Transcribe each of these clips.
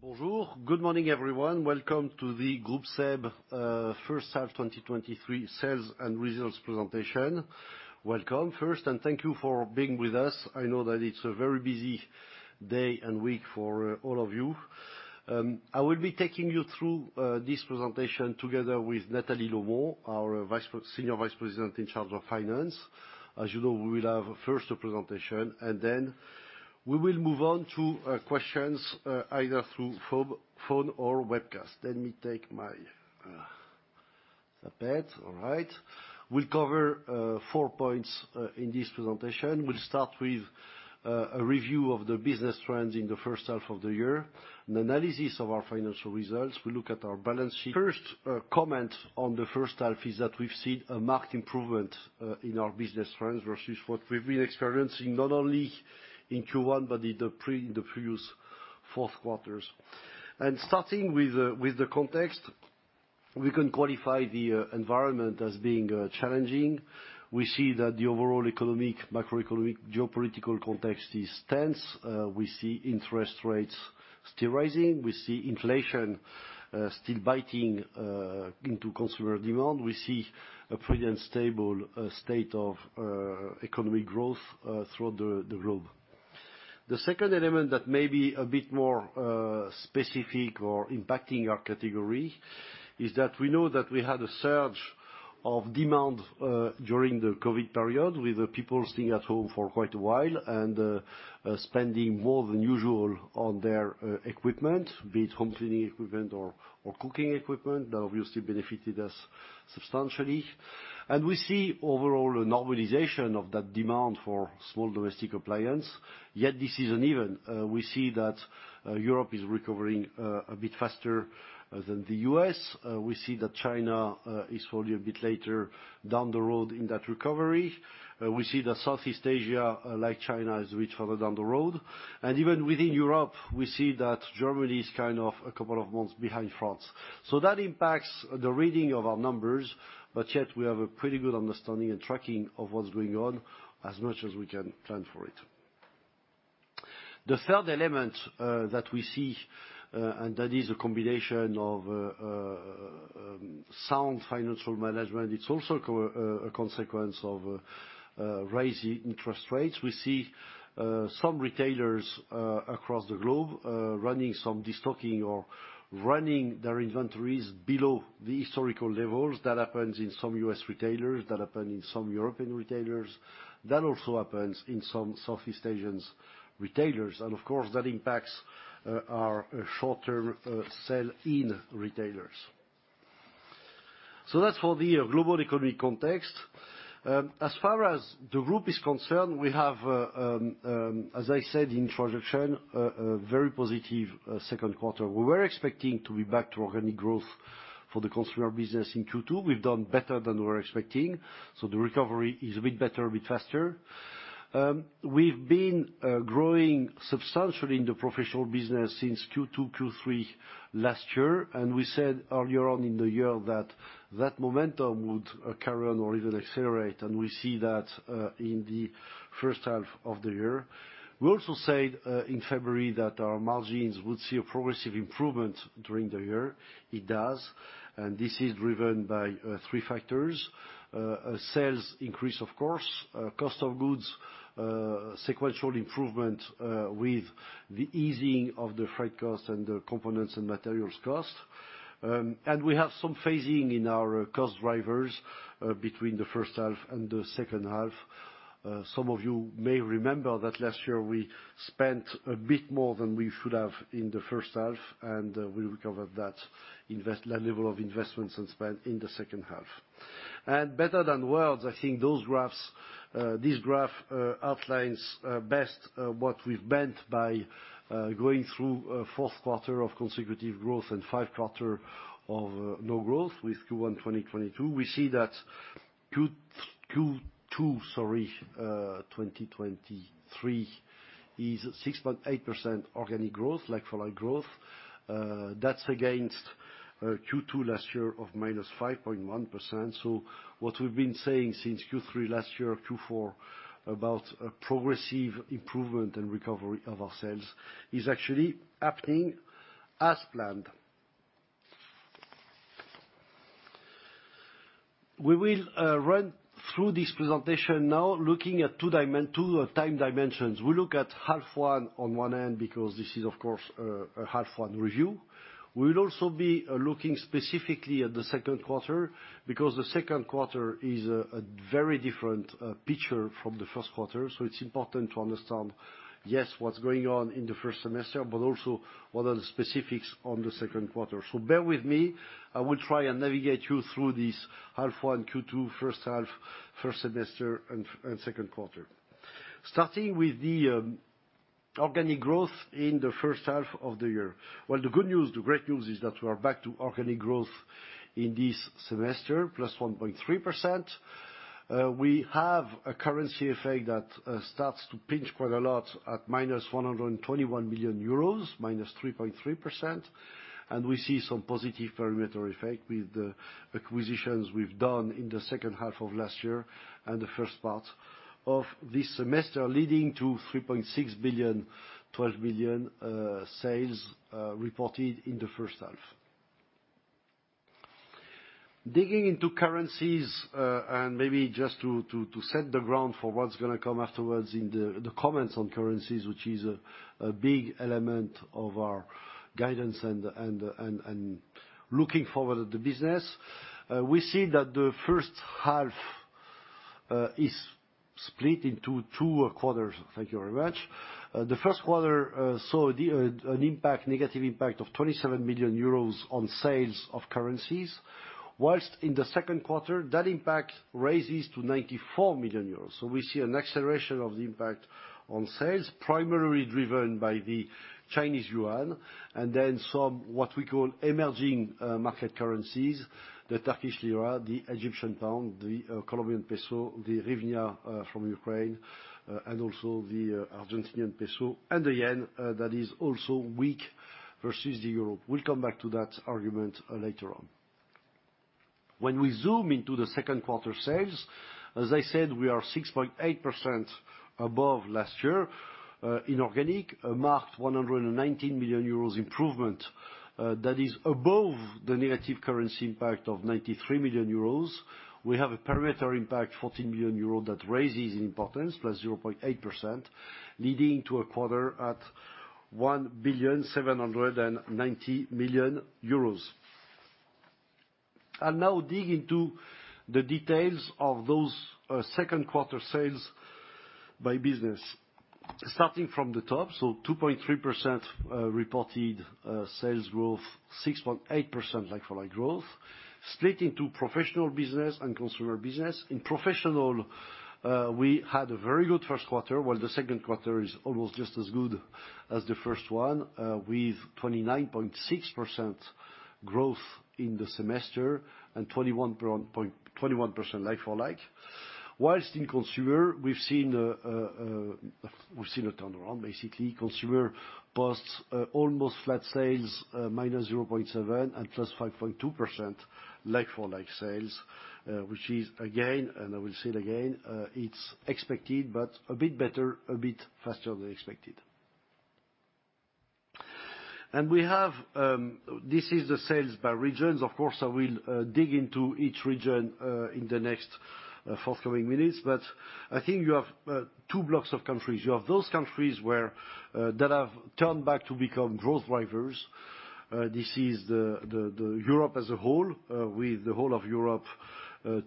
Bonjour. Good morning, everyone. Welcome to the Groupe SEB, first half 2023 sales and results presentation. Welcome first, thank you for being with us. I know that it's a very busy day and week for all of you. I will be taking you through this presentation together with Nathalie Lomon, our Senior Vice President in charge of finance. As you know, we will have first a presentation, and then we will move on to questions either through phone or webcast. Let me take my tablet. All right. We'll cover four points in this presentation. We'll start with a review of the business trends in the first half of the year, an analysis of our financial results. We look at our balance sheet. First, comment on the first half is that we've seen a marked improvement in our business trends versus what we've been experiencing not only in Q1 but in the previous fourth quarters. Starting with the context, we can qualify the environment as being challenging. We see that the overall economic, macroeconomic, geopolitical context is tense. We see interest rates still rising. We see inflation still biting into consumer demand. We see a pretty unstable state of economic growth throughout the globe. The second element that may be a bit more specific or impacting our category, is that we know that we had a surge of demand during the COVID period, with people staying at home for quite a while and spending more than usual on their equipment, be it home cleaning equipment or cooking equipment. That obviously benefited us substantially. We see overall a normalization of that demand for small domestic appliance. Yet this is uneven. We see that Europe is recovering a bit faster than the U.S. We see that China is following a bit later down the road in that recovery. We see that Southeast Asia, like China, has reached further down the road. Even within Europe, we see that Germany is kind of a couple of months behind France. That impacts the reading of our numbers, but yet we have a pretty good understanding and tracking of what's going on as much as we can plan for it. The third element that we see, and that is a combination of sound financial management, it's also a consequence of rising interest rates. We see some retailers across the globe running some destocking or running their inventories below the historical levels. That happens in some U.S. retailers, that happen in some European retailers. That also happens in some Southeast Asians retailers, and of course, that impacts our short-term sell-in retailers. That's for the global economic context. As far as the group is concerned, we have, as I said in introduction, a very positive second quarter. We were expecting to be back to organic growth for the consumer business in Q2. We've done better than we were expecting, so the recovery is a bit better, a bit faster. We've been growing substantially in the professional business since Q2, Q3 last year, and we said earlier on in the year that that momentum would carry on or even accelerate, and we see that in the first half of the year. We also said in February that our margins would see a progressive improvement during the year. It does, and this is driven by three factors. Sales increase, of course, cost of goods, sequential improvement, with the easing of the freight cost and the components and materials cost. We have some phasing in our cost drivers between the first half and the second half. Some of you may remember that last year we spent a bit more than we should have in the first half, and we recovered that level of investments and spend in the second half. Better than words, I think those graphs, this graph outlines best what we've meant by going through a fourth quarter of consecutive growth and five quarter of no growth with Q1 2022. We see that Q2, sorry, 2023 is 6.8% organic growth, like for like growth. That's against Q2 last year of -5.1%. What we've been saying since Q3 last year, Q4, about a progressive improvement and recovery of our sales is actually happening as planned. We will run through this presentation now, looking at two time dimensions. We look at half one on one end, because this is, of course, a half one review. We will also be looking specifically at the second quarter, because the second quarter is a very different picture from the first quarter. It's important to understand, yes, what's going on in the first semester, but also what are the specifics on the second quarter. Bear with me. I will try and navigate you through this half one, Q2, first half, first semester, and second quarter. Starting with the organic growth in the first half of the year. The good news, the great news, is that we are back to organic growth in this semester, +1.3%. We have a currency effect that starts to pinch quite a lot at -121 million euros, -3.3%. We see some positive perimeter effect with the acquisitions we've done in the second half of last year and the first part of this semester, leading to 3.612 billion sales reported in the first half. Digging into currencies, and maybe just to set the ground for what's gonna come afterwards in the comments on currencies, which is a big element of our guidance and looking forward at the business. We see that the first half is split into two quarters. Thank you very much. The first quarter saw a negative impact of 27 million euros on sales of currencies, whilst in the second quarter, that impact raises to 94 million euros. We see an acceleration of the impact on sales, primarily driven by the Chinese yuan, and then some, what we call emerging market currencies, the Turkish lira, the Egyptian pound, the Colombian peso, the hryvnia from Ukraine, and also the Argentinian peso, and the yen that is also weak versus the euro. We'll come back to that argument later on. When we zoom into the second quarter sales, as I said, we are 6.8% above last year, inorganic, a marked 119 million euros improvement. That is above the negative currency impact of 93 million euros. We have a perimeter impact, 14 million euros, that raises in importance, +0.8%, leading to a quarter at 1.790 billion. I'll now dig into the details of those second quarter sales by business. Starting from the top, so 2.3% reported sales growth, 6.8% like-for-like growth, split into professional business and consumer business. In professional, we had a very good first quarter, while the second quarter is almost just as good as the first one, with 29.6% growth in the semester and 21% like-for-like. Whilst in consumer, we've seen a turnaround. Basically, consumer posts almost flat sales, -0.7 and +5.2% like-for-like sales, which is again, I will say it again, it's expected, but a bit better, a bit faster than expected. This is the sales by regions. Of course, I will dig into each region in the next forthcoming minutes, but I think you have two blocks of countries. You have those countries where that have turned back to become growth drivers. This is the Europe as a whole, with the whole of Europe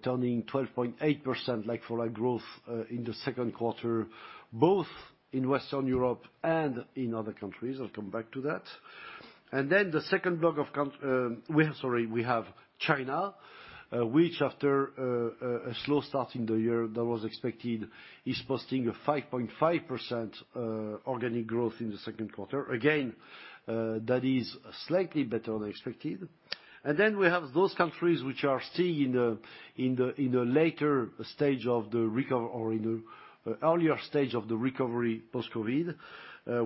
turning 12.8% like-for-like growth in the second quarter, both in Western Europe and in other countries. I'll come back to that. The second block of well, sorry, we have China, which after a slow start in the year that was expected, is posting a 5.5% organic growth in the second quarter. Again, that is slightly better than expected. We have those countries which are still in the later stage of the or in the earlier stage of the recovery post-COVID,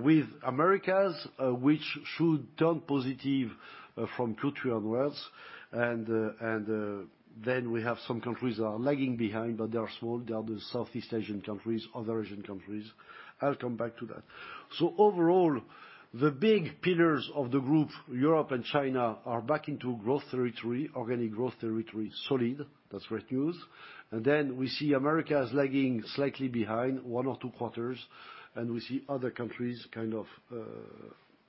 with Americas, which should turn positive from Q3 onwards, and then we have some countries that are lagging behind, but they are small. They are the Southeast Asian countries, other Asian countries. I'll come back to that. Overall, the big pillars of the group, Europe and China, are back into growth territory, organic growth territory, solid. That's great news. We see Americas lagging slightly behind one or two quarters, and we see other countries kind of, a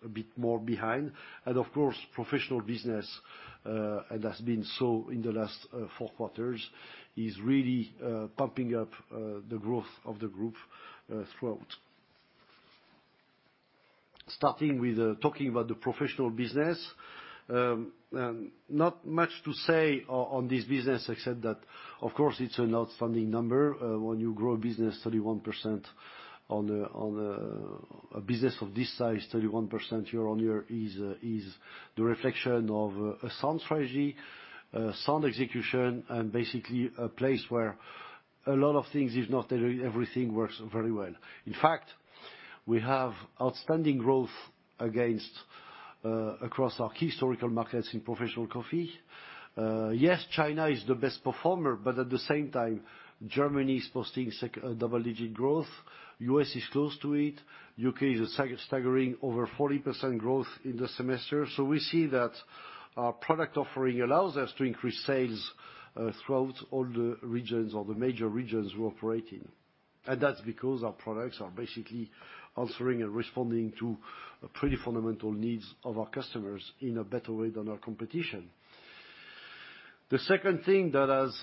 bit more behind. Of course, professional business, and that's been so in the last four quarters, is really pumping up the growth of the group throughout. Starting with talking about the professional business, not much to say on this business, except that of course, it's an outstanding number. When you grow a business 31% on a business of this size, 31% year-on-year is the reflection of a sound strategy, a sound execution, and basically a place where a lot of things, if not everything, works very well. In fact, we have outstanding growth against across our historical markets in professional coffee. Yes, China is the best performer. At the same time, Germany is posting double-digit growth. The U.S. is close to it. The U.K. is a staggering over 40% growth in the semester. We see that our product offering allows us to increase sales throughout all the regions, or the major regions we operate in. That's because our products are basically answering and responding to pretty fundamental needs of our customers in a better way than our competition. The second thing that has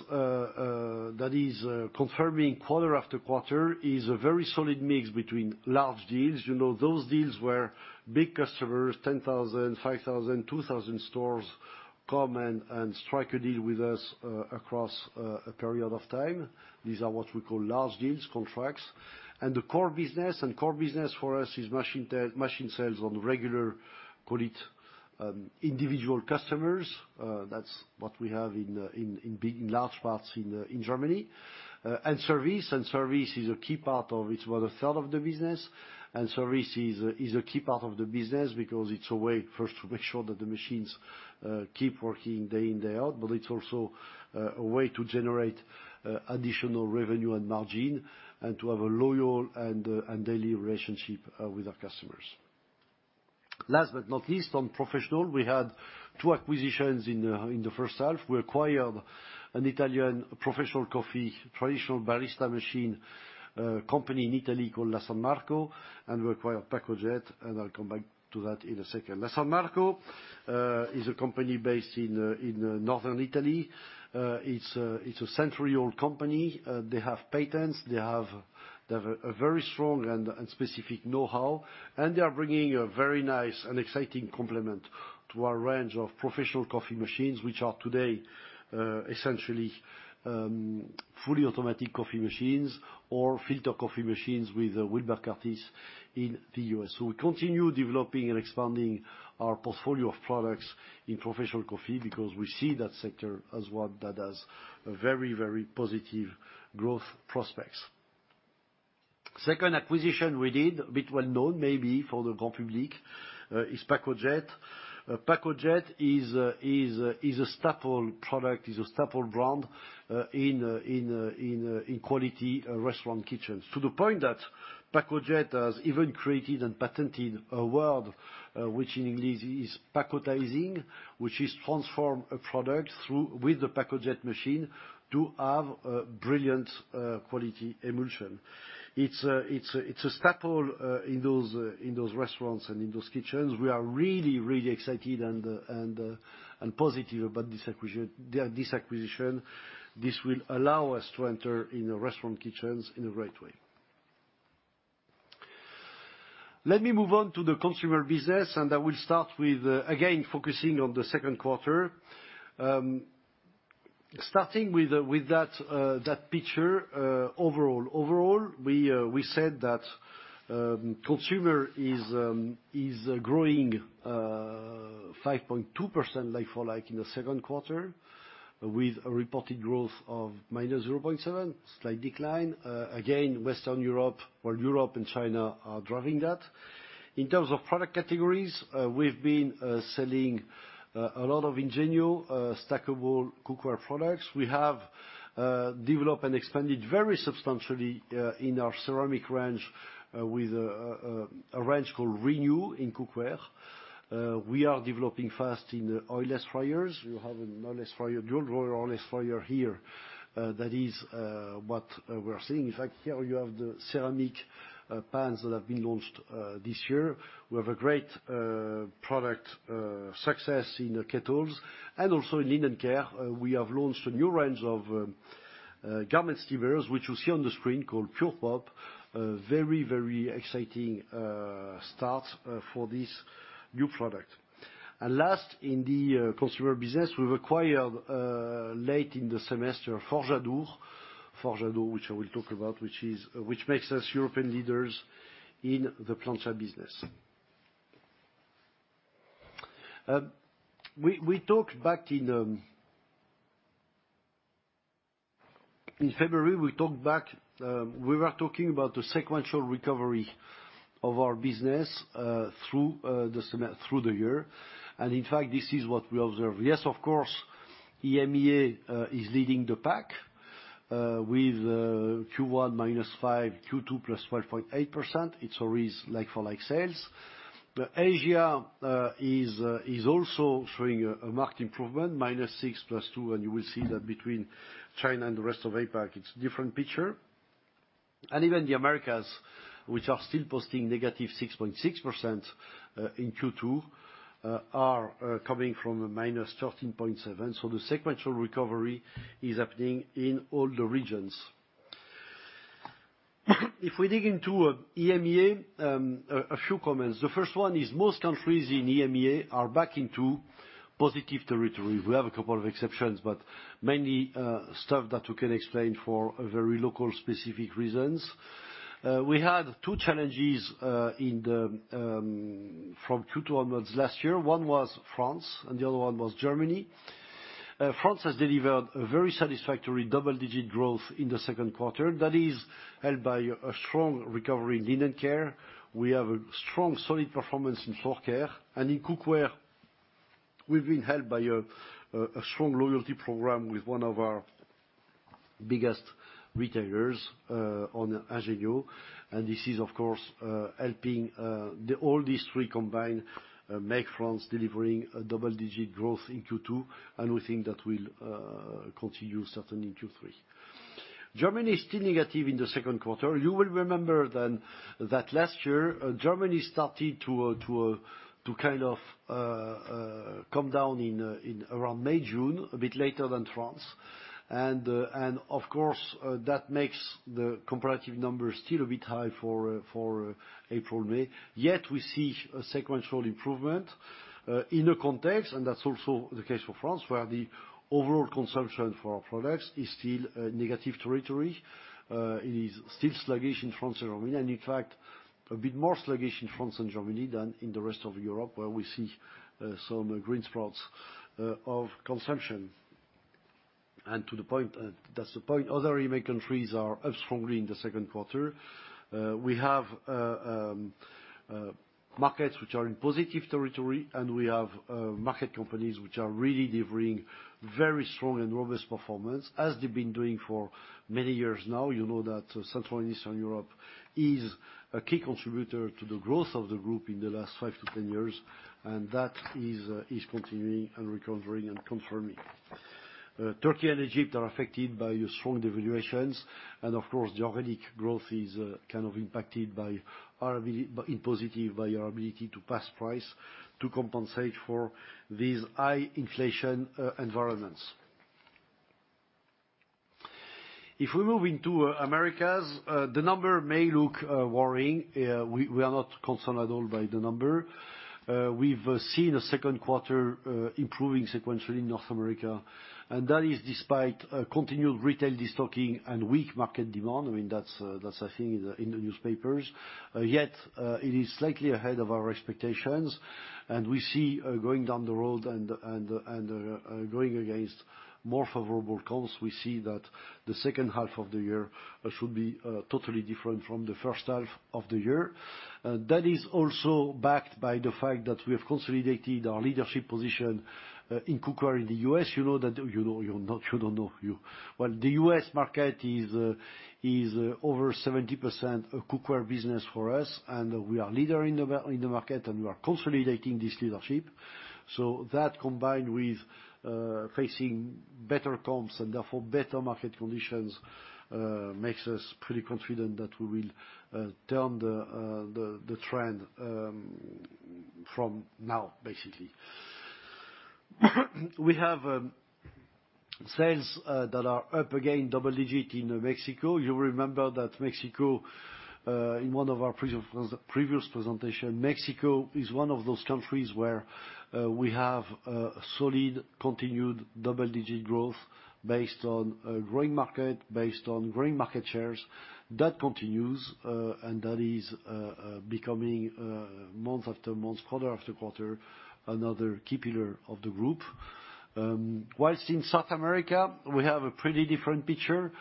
that is confirming quarter-after-quarter, is a very solid mix between large deals, you know, those deals where big customers, 10,000, 5,000, 2,000 stores, come and strike a deal with us across a period of time. These are what we call large deals, contracts. The core business, and core business for us is machine sales on regular, call it, individual customers. That's what we have in big, large parts in Germany. Service, and service is a key part of it. It's about a third of the business, and service is a key part of the business, because it's a way for us to make sure that the machines keep working day in, day out, but it's also a way to generate additional revenue and margin and to have a loyal and daily relationship with our customers. Last but not least, on professional, we had two acquisitions in the first half. We acquired an Italian professional coffee, traditional barista machine, company in Italy called La San Marco, and we acquired Pacojet, and I'll come back to that in a second. La San Marco is a company based in northern Italy. It's a century-old company. They have patents, they have a very strong and specific know-how, and they are bringing a very nice and exciting complement to our range of professional coffee machines, which are today essentially fully automatic coffee machines or filter coffee machines with Wilbur Curtis in the U.S. We continue developing and expanding our portfolio of products in professional coffee because we see that sector as one that has very, very positive growth prospects. Second acquisition we did, a bit well known maybe for the grand public, is Pacojet. Pacojet is a staple product, is a staple brand, in quality restaurant kitchens. To the point that Pacojet has even created and patented a word, which in English is pacotizing, which is transform a product with the Pacojet machine to have a brilliant quality emulsion. It's a staple in those restaurants and in those kitchens. We are really excited and positive about this acquisition. This will allow us to enter in the restaurant kitchens in the right way. Let me move on to the consumer business, and I will start with again, focusing on the second quarter. Starting with that picture overall. Overall, we said that consumer is growing 5.2% like-for-like in the second quarter, with a reported growth of -0.7%, slight decline. Western Europe, well, Europe and China are driving that. In terms of product categories, we've been selling a lot of Ingenio stackable cookware products. We have developed and expanded very substantially in our ceramic range with a range called Renew in cookware. We are developing fast in the oil-less fryers. We have an oil-less fryer, dual drawer oil-less fryer here. That is what we are seeing. Here you have the ceramic pans that have been launched this year. We have a great product success in the kettles and also in Linen Care. We have launched a new range of garment steamers, which you see on the screen, called Pure Pop. A very, very exciting start for this new product. Last, in the consumer business, we've acquired late in the semester, Forge Adour. Forge Adour, which I will talk about, which makes us European leaders in the plancha business. We talked back in February, we talked back, we were talking about the sequential recovery of our business through the year, and in fact, this is what we observe. Yes, of course, EMEA is leading the pack with Q1 -5%, Q2 +12.8%. It's always like-for-like sales. Asia is also showing a marked improvement, -6, +2. You will see that between China and the rest of APAC, it's a different picture. Even the Americas, which are still posting -6.6% in Q2, are coming from a -13.7. The sequential recovery is happening in all the regions. If we dig into EMEA, a few comments. The first one is most countries in EMEA are back into positive territory. We have a couple of exceptions, but mainly stuff that we can explain for very local, specific reasons. We had two challenges in the from Q2 onwards last year. One was France, and the other one was Germany. France has delivered a very satisfactory double-digit growth in the second quarter. That is held by a strong recovery in linen care. We have a strong, solid performance in floor care, and in cookware, we've been helped by a strong loyalty program with one of our biggest retailers on Ingenio. This is, of course, helping. All these three combined make France delivering a double-digit growth in Q2, and we think that will continue certainly in Q3. Germany is still negative in the second quarter. You will remember then that last year, Germany started to kind of come down in around May, June, a bit later than France. Of course, that makes the comparative numbers still a bit high for April, May. Yet, we see a sequential improvement, in a context, and that's also the case for France, where the overall consumption for our products is still negative territory. It is still sluggish in France and Germany, and in fact, a bit more sluggish in France and Germany than in the rest of Europe, where we see some green sprouts of consumption. To the point, that's the point, other EMEA countries are up strongly in the second quarter. We have markets which are in positive territory, and we have market companies which are really delivering very strong and robust performance, as they've been doing for many years now. You know that Central and Eastern Europe is a key contributor to the growth of the group in the last 5-10 years, that is continuing and recovering and confirming. Turkey and Egypt are affected by strong devaluations. Of course, the organic growth is kind of impacted in positive by our ability to pass price to compensate for these high inflation environments. If we move into Americas, the number may look worrying. We are not concerned at all by the number. We've seen a second quarter improving sequentially in North America, that is despite continued retail de-stocking and weak market demand. I mean, that's a thing in the newspapers. Yet, it is slightly ahead of our expectations, and we see going down the road and going against more favorable comps, we see that the second half of the year should be totally different from the first half of the year. That is also backed by the fact that we have consolidated our leadership position in cookware in the U.S. You know, you don't know. Well, the U.S. market is over 70% cookware business for us, and we are leader in the market, and we are consolidating this leadership. That, combined with facing better comps and therefore better market conditions, makes us pretty confident that we will turn the trend from now, basically. We have sales that are up again, double-digit in Mexico. You remember that Mexico, in one of our previous presentation, Mexico is one of those countries where we have solid, continued double-digit growth based on a growing market, based on growing market shares. That continues, and that is becoming month after month, quarter-after-quarter, another key pillar of the group. Whilst in South America, we have a pretty different picture.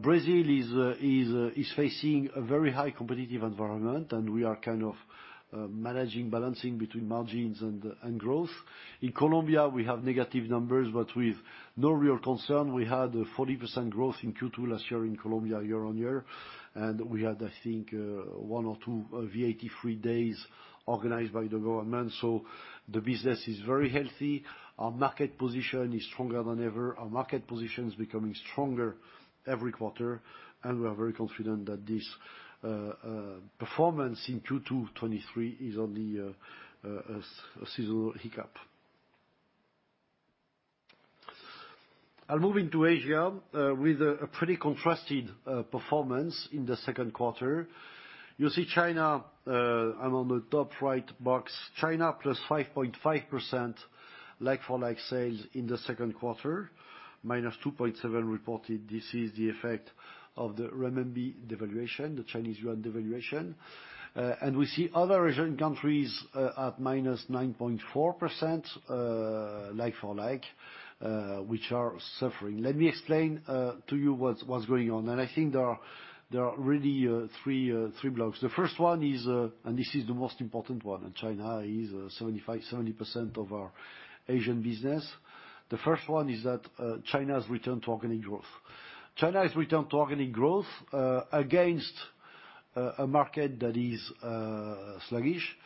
Brazil is facing a very high competitive environment, and we are kind of managing, balancing between margins and growth. In Colombia, we have negative numbers, but with no real concern. We had a 40% growth in Q2 last year in Colombia, year-on-year, and we had, I think, one or two VAT-free days organized by the government. The business is very healthy. Our market position is stronger than ever. Our market position is becoming stronger every quarter. We are very confident that this performance in Q2 2023 is only a seasonal hiccup. Moving to Asia, with a pretty contrasted performance in the second quarter. You see China, and on the top-right box, China, +5.5% like-for-like sales in the second quarter, -2.7% reported. This is the effect of the renminbi devaluation, the Chinese yuan devaluation. We see other Asian countries, at -9.4% like-for-like, which are suffering. Let me explain to you what's going on. I think there are really three blocks. The first one is... This is the most important one, and China is 75, 70% of our Asian business. The first one is that China has returned to organic growth. China has returned to organic growth against a market that is sluggish.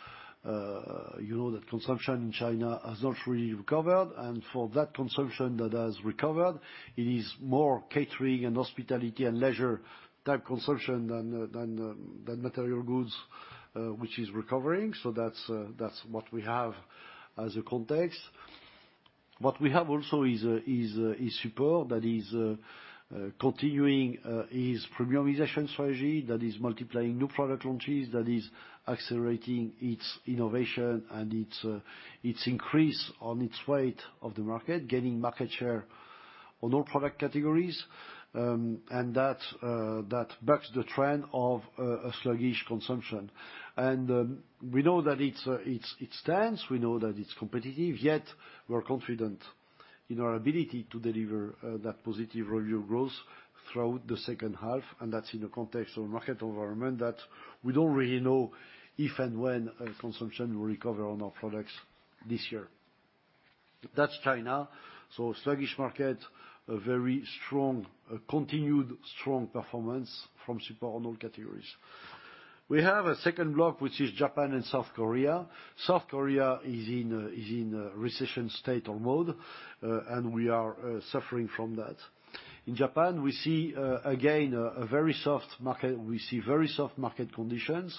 You know that consumption in China has not fully recovered, and for that consumption that has recovered, it is more catering and hospitality and leisure-type consumption than material goods, which is recovering. That's what we have as a context. What we have also is superb, that is continuing its premiumization strategy, that is multiplying new product launches, that is accelerating its innovation and its increase on its weight of the market, gaining market share on all product categories, and that backs the trend of a sluggish consumption. We know that it's tense, we know that it's competitive, yet we are confident in our ability to deliver that positive revenue growth throughout the second half, and that's in a context of market environment that we don't really know if and when consumption will recover on our products this year. That's China. Sluggish market, a very strong continued strong performance from superb on all categories. We have a second block, which is Japan and South Korea. South Korea is in, is in a recession state or mode, we are suffering from that. In Japan, we see again, a very soft market. We see very soft market conditions,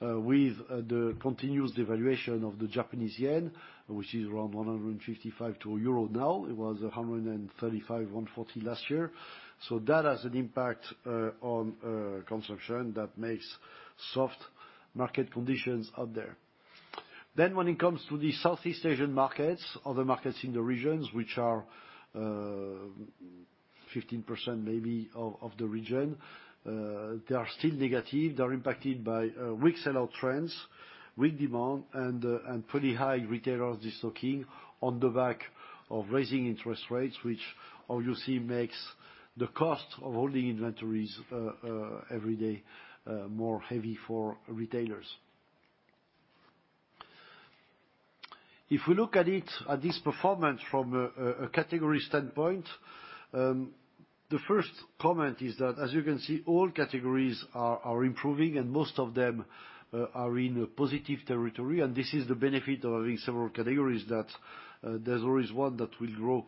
with the continuous devaluation of the Japanese yen, which is around 155 to EUR 1 now. It was 135, 140 last year. That has an impact on consumption that makes soft market conditions out there. When it comes to the Southeast Asian markets, other markets in the regions which are 15% maybe of the region, they are still negative. They are impacted by weak sell-out trends, weak demand, and pretty high retailers de-stocking on the back of raising interest rates, which you see, makes the cost of holding inventories every day more heavy for retailers. If we look at it, at this performance from a category standpoint. The first comment is that, as you can see, all categories are improving, and most of them are in a positive territory. This is the benefit of having several categories, that there's always one that will grow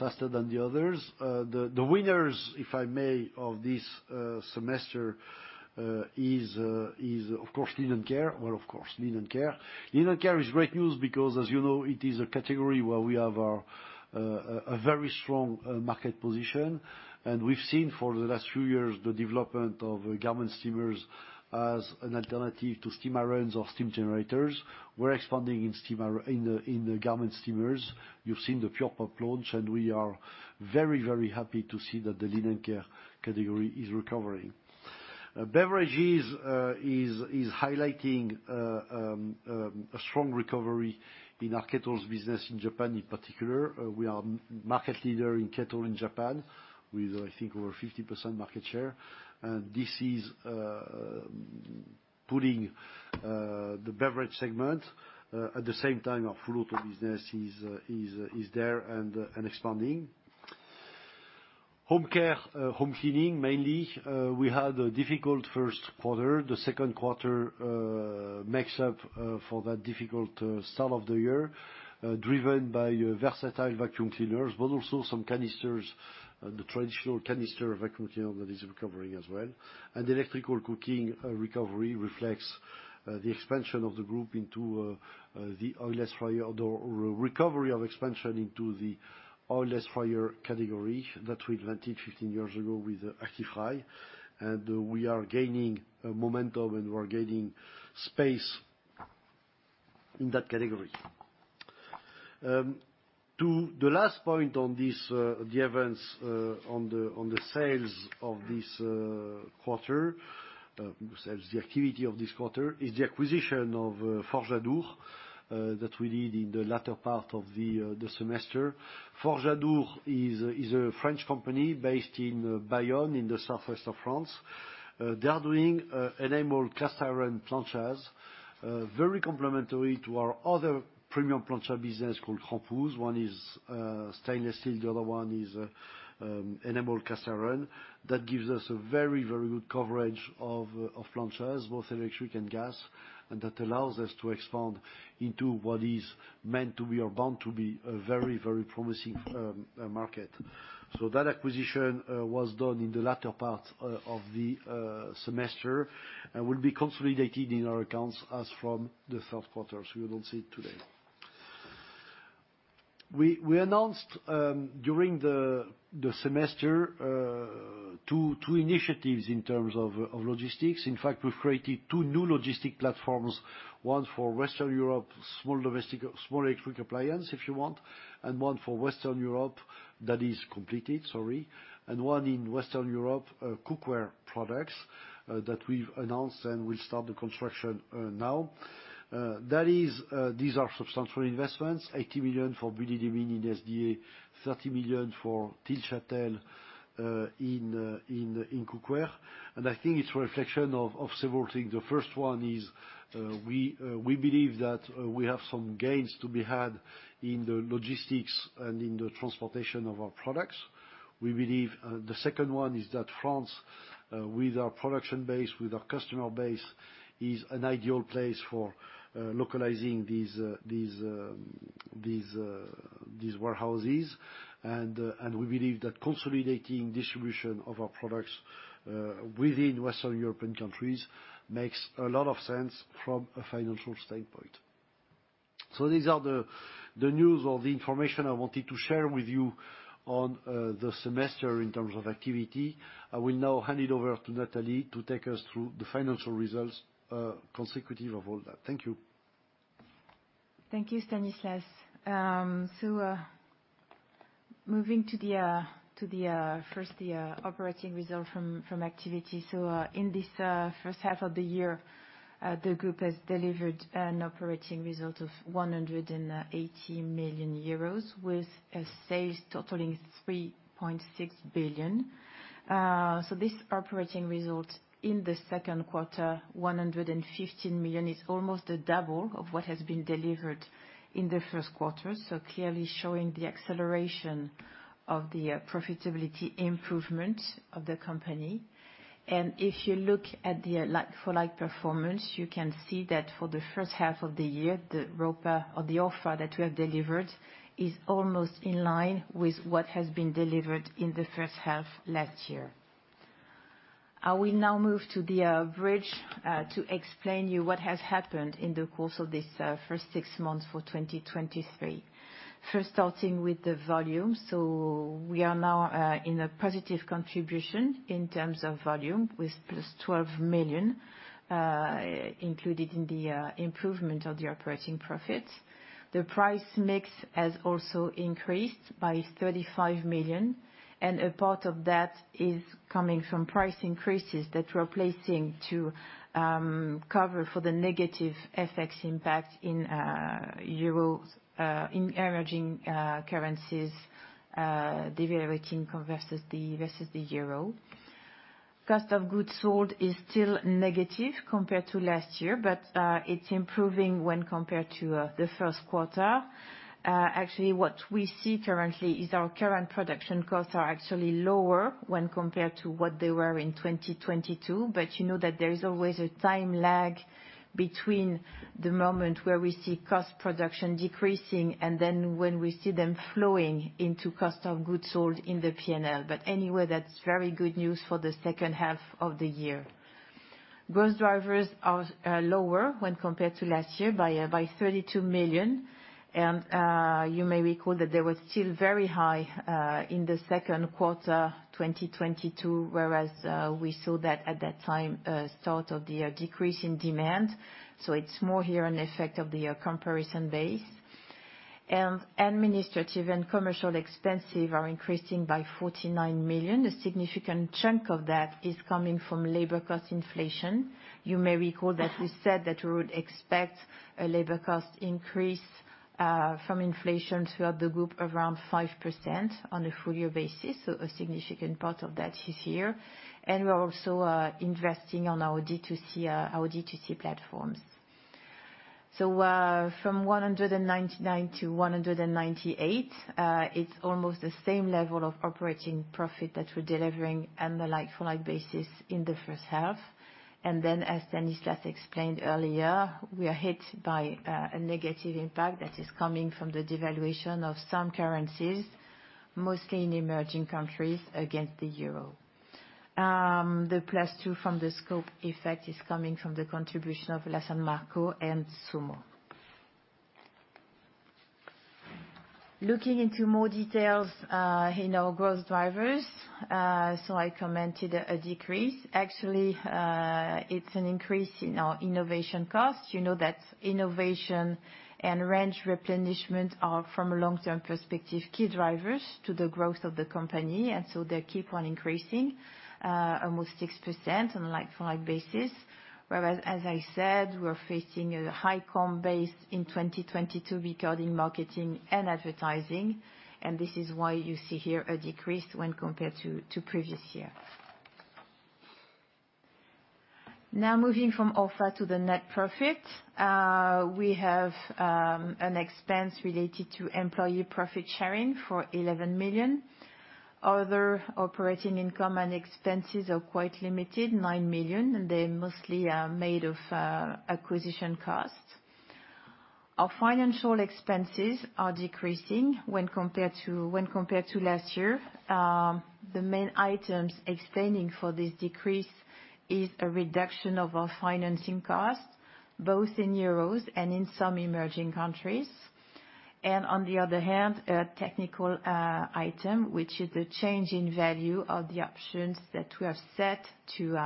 faster than the others. The winners, if I may, of this semester, is of course Linen Care. Well, of course, Linen Care. Linen Care is great news because, as you know, it is a category where we have a very strong market position. We've seen for the last few years, the development of garment steamers as an alternative to steam irons or steam generators. We're expanding in the garment steamers. You've seen the Pure POP launch, and we are very, very happy to see that the Linen Care category is recovering. Beverages is highlighting a strong recovery in our kettles business in Japan in particular. We are market leader in kettle in Japan with, I think, over 50% market share. This is putting the beverage segment. At the same time, our Fluto business is there and expanding. Home Care, Home Cleaning, mainly, we had a difficult first quarter. The second quarter makes up for that difficult start of the year, driven by versatile vacuum cleaners, but also some canisters and the traditional canister vacuum cleaner that is recovering as well. Electrical cooking recovery reflects the expansion of the group into the oil-less fryer or the recovery of expansion into the oil-less fryer category that we invented 15 years ago with ActiFry. We are gaining momentum, and we are gaining space in that category. To the last point on this, the events on the sales of this quarter, the activity of this quarter, is the acquisition of Forge Adour that we did in the latter part of the semester. Forge Adour is a French company based in Bayonne, in the southwest of France. They are doing enamel cast iron planchas, very complementary to our other premium plancha business called Krampouz. One is stainless steel, the other one is enamel cast iron. That gives us a very, very good coverage of planchas, both electric and gas, and that allows us to expand into what is meant to be or bound to be a very, very promising market. That acquisition was done in the latter part of the semester and will be consolidated in our accounts as from the third quarter, so you don't see it today. We announced during the semester 2 initiatives in terms of logistics. In fact, we've created two new logistic platforms, one for Western Europe, small domestic, small electric appliance, if you want, and one for Western Europe that is completed, sorry. One in Western Europe, cookware products, that we've announced and will start the construction now. That is. These are substantial investments, 80 million for Bully-les-Mines SDA, 30 million for Til-Châtel in cookware. I think it's a reflection of several things. The first one is, we believe that we have some gains to be had in the logistics and in the transportation of our products. We believe the second one is that France, with our production base, with our customer base, is an ideal place for localizing these, these warehouses. We believe that consolidating distribution of our products within Western European countries makes a lot of sense from a financial standpoint. These are the news or the information I wanted to share with you on the semester in terms of activity. I will now hand it over to Nathalie to take us through the financial results consecutive of all that. Thank you. Thank you, Stanislas. Moving to the first, the Operating Result from Activity. In this first half of the year, the group has delivered an operating result of 180 million euros, with sales totaling 3.6 billion. This operating result in the second quarter, 115 million, is almost double of what has been delivered in the first quarter. Clearly showing the acceleration of the profitability improvement of the company. If you look at the like-for-like performance, you can see that for the first half of the year, the ORfA that we have delivered is almost in line with what has been delivered in the first half last year. I will now move to the bridge to explain you what has happened in the course of this first six months for 2023. First, starting with the volume. We are now in a positive contribution in terms of volume, with +12 million included in the improvement of the operating profit. The price mix has also increased by 35 million, and a part of that is coming from price increases that we're placing to cover for the negative FX impact in euro in emerging currencies devaluating versus the euro. Cost of goods sold is still negative compared to last year, but it's improving when compared to the first quarter. Actually, what we see currently is our current production costs are actually lower when compared to what they were in 2022. You know that there is always a time lag between the moment where we see cost production decreasing, and then when we see them flowing into cost of goods sold in the PNL. Anyway, that's very good news for the second half of the year. Growth drivers are lower when compared to last year by 32 million, and you may recall that they were still very high in the second quarter 2022, whereas we saw that at that time, start of the decrease in demand. It's more here an effect of the comparison base. Administrative and commercial expenses are increasing by 49 million. A significant chunk of that is coming from labor cost inflation. You may recall that we said that we would expect a labor cost increase from inflation throughout the group around 5% on a full year basis, a significant part of that is here. We're also investing on our D2C, our D2C platforms. From 199 to 198, it's almost the same level of operating profit that we're delivering on the like-for-like basis in the first half. As Stanislas explained earlier, we are hit by a negative impact that is coming from the devaluation of some currencies, mostly in emerging countries against the euro. The +2 from the scope effect is coming from the contribution of La San Marco and Zummo. Looking into more details in our growth drivers, I commented a decrease. Actually, it's an increase in our innovation costs. You know that innovation and range replenishment are, from a long-term perspective, key drivers to the growth of the company, they keep on increasing, almost 6% on a like-for-like basis. As I said, we're facing a high comp base in 2022 regarding marketing and advertising, this is why you see here a decrease when compared to previous year. Moving from offer to the net profit, we have an expense related to employee profit sharing for 11 million. Other operating income and expenses are quite limited, 9 million, they mostly are made of acquisition costs. Our financial expenses are decreasing when compared to last year. The main items extending for this decrease is a reduction of our financing costs, both in euros and in some emerging countries. On the other hand, a technical item, which is a change in value of the options that we have set to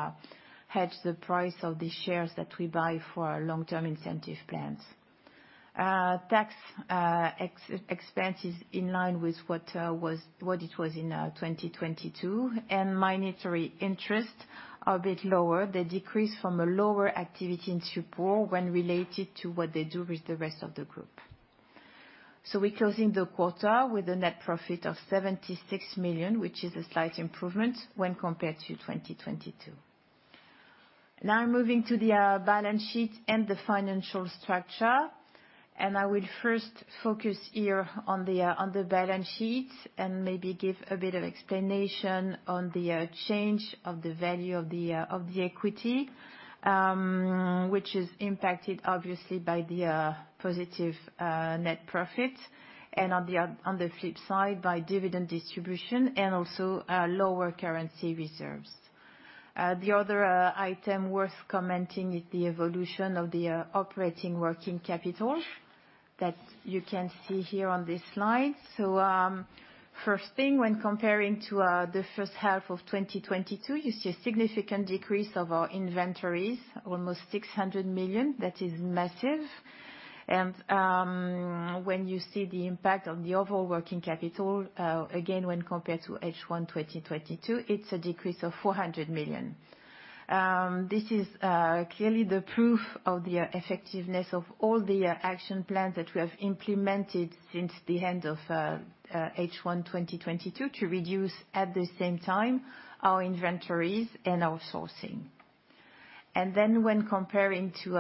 hedge the price of the shares that we buy for our long-term incentive plans. Tax expense is in line with what it was in 2022, and monetary interest are a bit lower. They decrease from a lower activity in SUPOR when related to what they do with the rest of the group. We're closing the quarter with a net profit of 76 million, which is a slight improvement when compared to 2022. Now, moving to the balance sheet and the financial structure, I will first focus here on the on the balance sheet and maybe give a bit of explanation on the change of the value of the of the equity, which is impacted obviously by the positive net profit, and on the flip side, by dividend distribution and also lower currency reserves. The other item worth commenting is the evolution of the operating working capital that you can see here on this slide. First thing, when comparing to the first half of 2022, you see a significant decrease of our inventories, almost 600 million. That is massive. When you see the impact on the overall working capital, again, when compared to H1 2022, it's a decrease of 400 million. This is clearly the proof of the effectiveness of all the action plans that we have implemented since the end of H1 2022 to reduce, at the same time, our inventories and our sourcing. When comparing to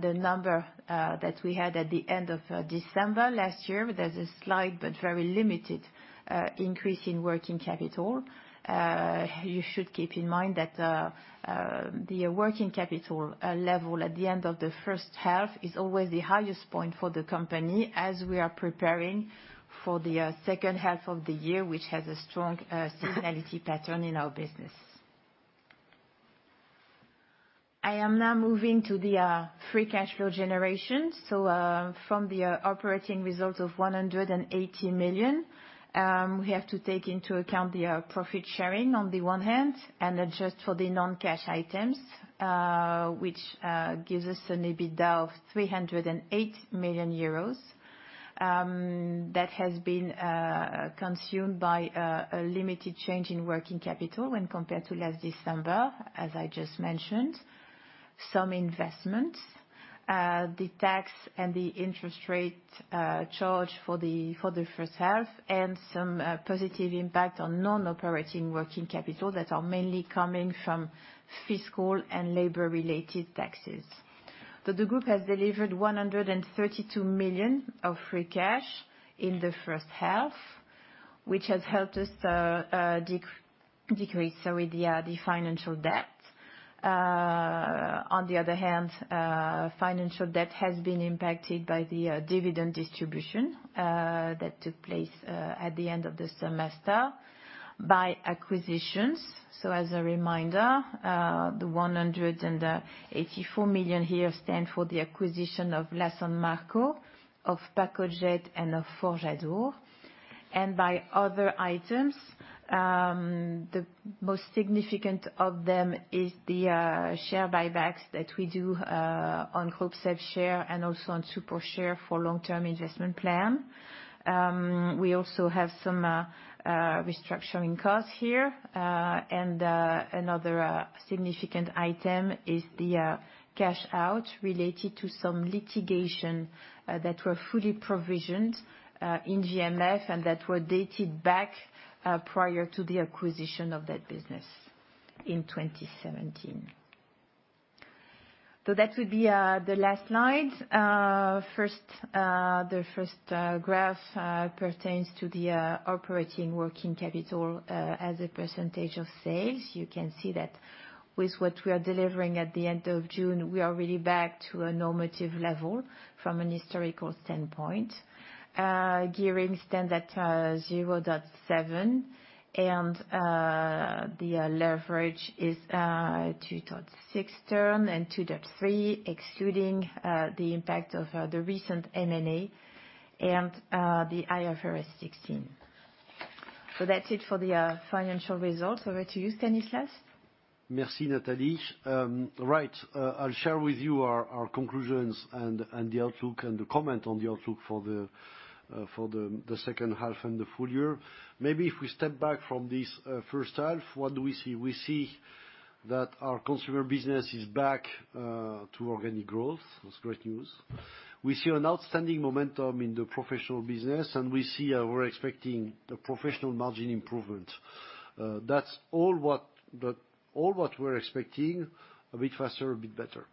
the number that we had at the end of December last year, there's a slight but very limited increase in working capital. You should keep in mind that the working capital level at the end of the first half is always the highest point for the company, as we are preparing for the second half of the year, which has a strong seasonality pattern in our business. I am now moving to the free cash flow generation. From the operating results of 180 million, we have to take into account the profit sharing on the one hand and adjust for the non-cash items, which gives us an EBITDA of 308 million euros. That has been consumed by a limited change in working capital when compared to last December, as I just mentioned. Some investments, the tax and the interest rate charged for the first half, and some positive impact on non-operating working capital that are mainly coming from fiscal and labor-related taxes. The group has delivered 132 million of free cash in the first half, which has helped us decrease, sorry, the financial debt. On the other hand, financial debt has been impacted by the dividend distribution that took place at the end of the semester by acquisitions. As a reminder, the 184 million here stand for the acquisition of La San Marco, of Pacojet, and of Forge Adour. By other items, the most significant of them is the share buybacks that we do on Groupe SEB share and also on SUPOR share for long-term investment plan. We also have some restructuring costs here. Another significant item is the cash out related to some litigation that were fully provisioned in GMF, and that were dated back prior to the acquisition of that business in 2017. That would be the last slide. First, the first graph pertains to the operating working capital as a percentage of sales. You can see that with what we are delivering at the end of June, we are really back to a normative level from an historical standpoint. Gearing stands at 0.7, and the leverage is 2.6 term and 2.3, excluding the impact of the recent M&A and the IFRS 16. That's it for the financial results. Over to you, then, Stanislas. Merci, Nathalie. Right, I'll share with you our conclusions and the outlook, and the comment on the outlook for the second half and the full year. Maybe if we step back from this first half, what do we see? We see that our consumer business is back to organic growth. That's great news. We see an outstanding momentum in the professional business, and we see we're expecting the professional margin improvement. That's all what we're expecting, a bit faster, a bit better.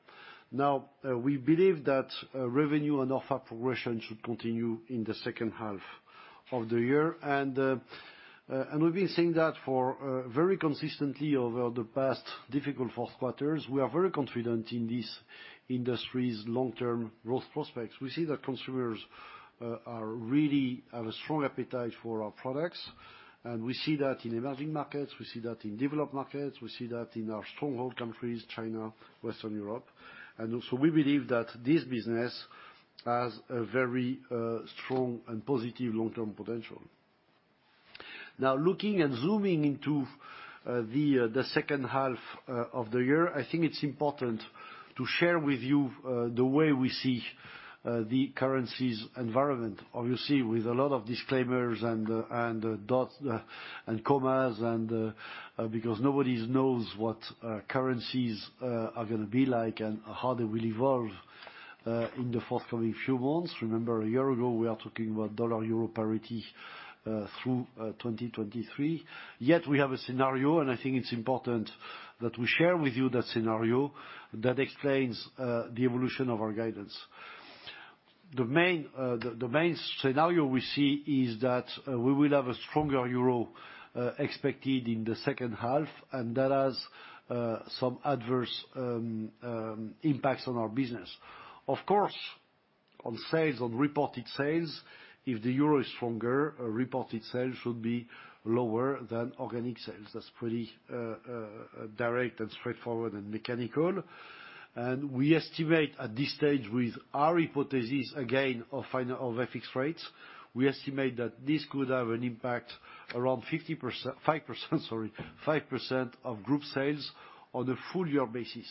Now, we believe that revenue and ORfA progression should continue in the second half of the year. We've been saying that for very consistently over the past difficult four quarters. We are very confident in this industry's long-term growth prospects. We see that consumers are really have a strong appetite for our products, and we see that in emerging markets, we see that in developed markets, we see that in our stronghold countries, China, Western Europe. We believe that this business has a very strong and positive long-term potential. Looking and zooming into the second half of the year, I think it's important to share with you the way we see the currencies environment. Obviously, with a lot of disclaimers and dots and commas, and because nobody's knows what currencies are gonna be like and how they will evolve in the forthcoming few months. Remember, a year ago, we are talking about dollar-euro parity through 2023. We have a scenario, and I think it's important that we share with you that scenario that explains the evolution of our guidance. The main scenario we see is that we will have a stronger euro expected in the second half, and that has some adverse impacts on our business. Of course, on sales, on reported sales, if the euro is stronger, reported sales should be lower than organic sales. That's pretty direct and straightforward and mechanical. We estimate at this stage with our hypothesis, again, of fixed rates, we estimate that this could have an impact around 50%... 5%, sorry, 5% of group sales on a full year basis.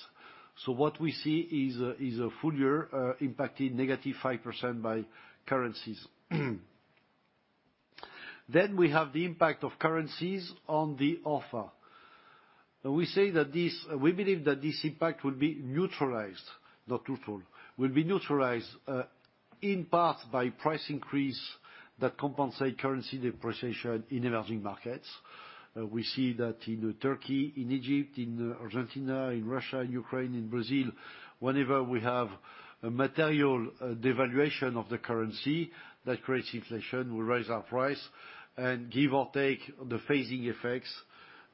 What we see is a full year impacted -5% by currencies. We have the impact of currencies on the offer. We say that We believe that this impact will be neutralized, not truthful, will be neutralized, in part by price increase that compensate currency depreciation in emerging markets. We see that in Turkey, in Egypt, in Argentina, in Russia, Ukraine, in Brazil. Whenever we have a material devaluation of the currency, that creates inflation, we raise our price, and give or take the phasing effects,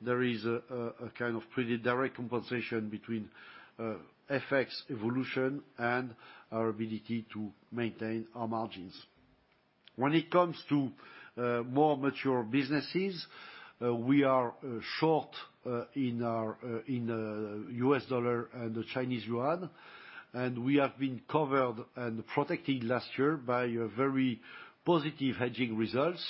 there is a kind of pretty direct compensation between FX evolution and our ability to maintain our margins. When it comes to more mature businesses, we are short in our in US dollar and the Chinese yuan, and we have been covered and protected last year by a very positive hedging results.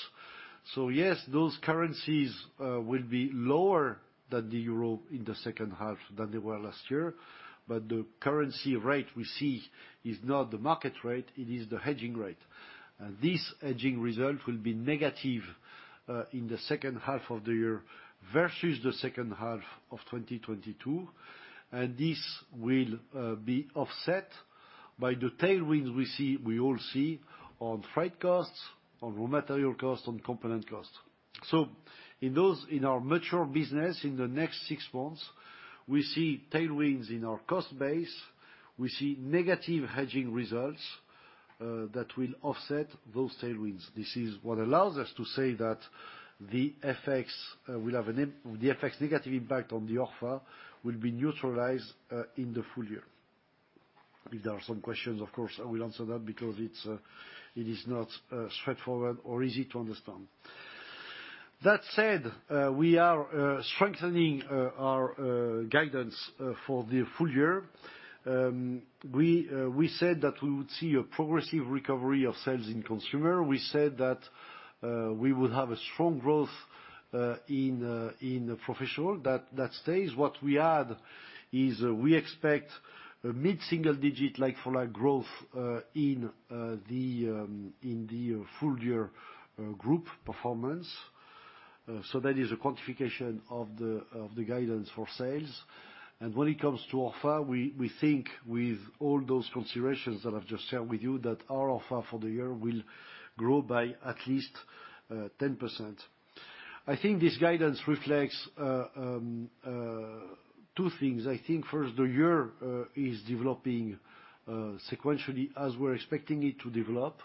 Yes, those currencies will be lower than the euro in the second half than they were last year, but the currency rate we see is not the market rate, it is the hedging rate. This hedging result will be negative in the second half of the year versus the second half of 2022, and this will be offset by the tailwinds we see, we all see, on freight costs, on raw material costs, on component costs. In those, in our mature business, in the next 6 months, we see tailwinds in our cost base, we see negative hedging results that will offset those tailwinds. This is what allows us to say that the FX will have an the FX negative impact on the ORfA will be neutralized in the full year. If there are some questions, of course, I will answer that because it's, it is not straightforward or easy to understand. That said, we are strengthening our guidance for the full year. We said that we would see a progressive recovery of sales in consumer. We said that we would have a strong growth in professional. That stays. What we add is we expect a mid-single digit like-for-like growth in the in the full year group performance. That is a quantification of the of the guidance for sales. When it comes to offer, we think with all those considerations that I've just shared with you, that our offer for the year will grow by at least 10%. I think this guidance reflects two things. I think first, the year is developing sequentially as we're expecting it to develop,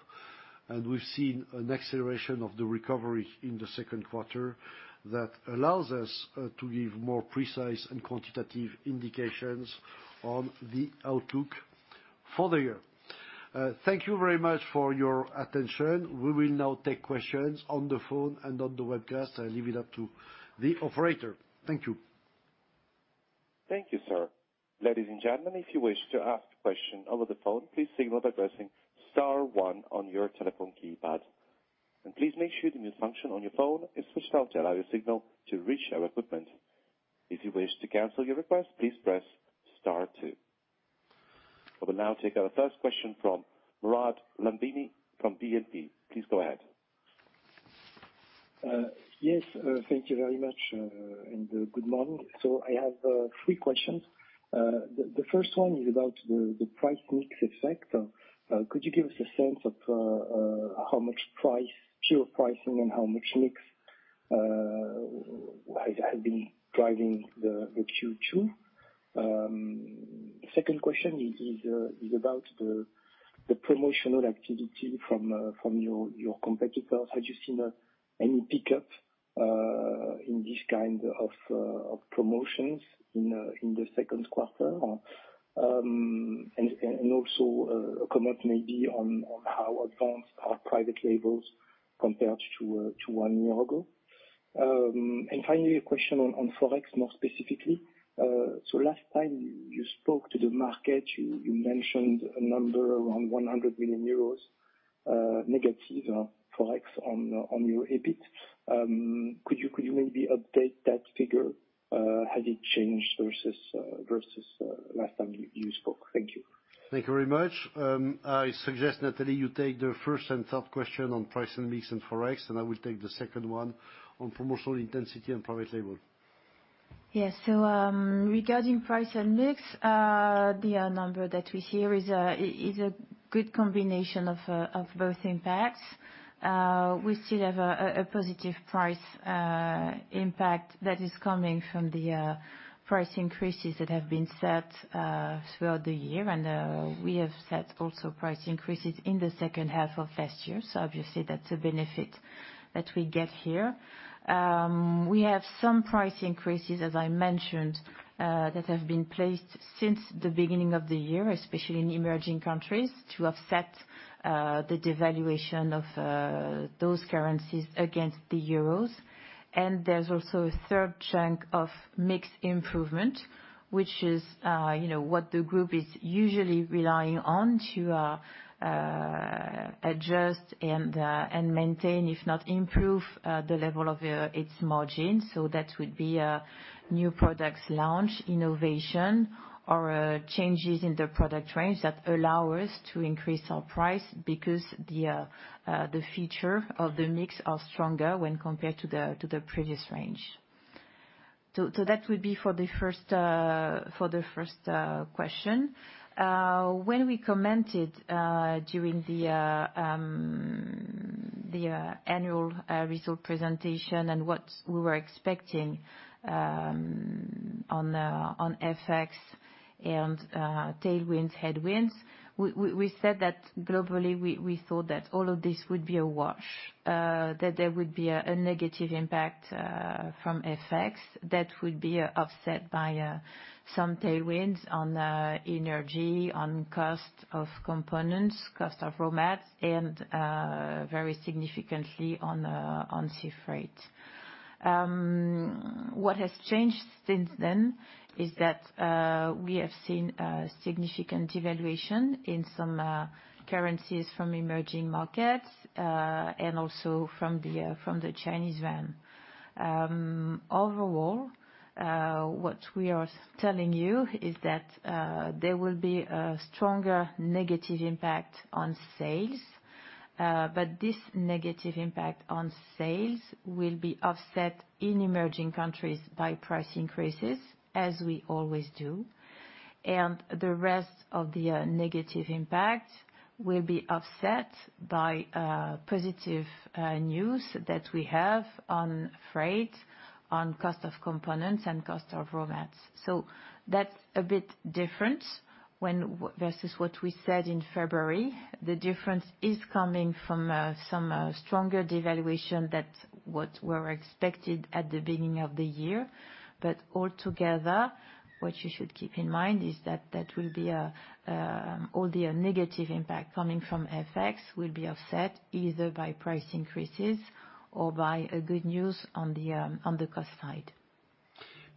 and we've seen an acceleration of the recovery in the second quarter that allows us to give more precise and quantitative indications on the outlook for the year. Thank you very much for your attention. We will now take questions on the phone and on the webcast. I leave it up to the operator. Thank you. Thank you, sir. Ladies and gentlemen, if you wish to ask a question over the phone, please signal by pressing star one on your telephone keypad. Please make sure the mute function on your phone is switched off to allow your signal to reach our equipment. If you wish to cancel your request, please press star two. I will now take our first question from Mourad Lahmidi from BNP. Please go ahead. Uh, yes. Uh, thank you very much, uh, and, uh, good morning. So I have, uh, three questions. Uh, the, the first one is about the, the price mix effect. Uh, uh, could you give us a sense of, uh, uh, how much price, pure pricing, and how much mix, uh, has, has been driving the, the Q2? Um, second question is, is, uh, is about the, the promotional activity from, uh, from your, your competitors. Have you seen, uh, any pickup, uh, in this kind of, uh, of promotions in, uh, in the second quarter? Um, and, and, also, uh, a comment maybe on, on how advanced are private labels compared to, uh, to one year ago. Um, and finally, a question on, on Forex, more specifically. Last time you spoke to the market, you mentioned a number around 100 million euros, negative, Forex on your EBIT. Could you maybe update that figure? Has it changed versus last time you spoke? Thank you. Thank you very much. I suggest, Nathalie, you take the first and third question on price and mix and Forex, and I will take the second one on promotional intensity and private label. Yes. Regarding price and mix, the number that we see here is a good combination of both impacts. We still have a positive price impact that is coming from the price increases that have been set throughout the year. We have set also price increases in the second half of last year, so obviously, that's a benefit that we get here. We have some price increases, as I mentioned, that have been placed since the beginning of the year, especially in emerging countries, to offset the devaluation of those currencies against the euros. There's also a third chunk of mix improvement, which is, you know, what the group is usually relying on to adjust and maintain, if not improve, the level of its margins. That would be a new products launch, innovation, or changes in the product range that allow us to increase our price because the feature of the mix are stronger when compared to the previous range. That would be for the first question. When we commented during the annual result presentation and what we were expecting on FX and tailwinds, headwinds, we said that globally, we thought that all of this would be a wash. e a negative impact from FX that would be offset by some tailwinds on energy, on cost of components, cost of raw mats, and very significantly on sea freight. What has changed since then is that we have seen a significant devaluation in some currencies from emerging markets, and also from the Chinese yuan. Overall, what we are telling you is that there will be a stronger negative impact on sales. This negative impact on sales will be offset in emerging countries by price increases, as we always do, and the rest of the negative impact will be offset by positive news that we have on freight, on cost of components, and cost of raw mats. That's a bit different versus what we said in February. The difference is coming from some stronger devaluation that what were expected at the beginning of the year. Altogether, what you should keep in mind is that that will be all the negative impact coming from FX will be offset either by price increases or by a good news on the cost side.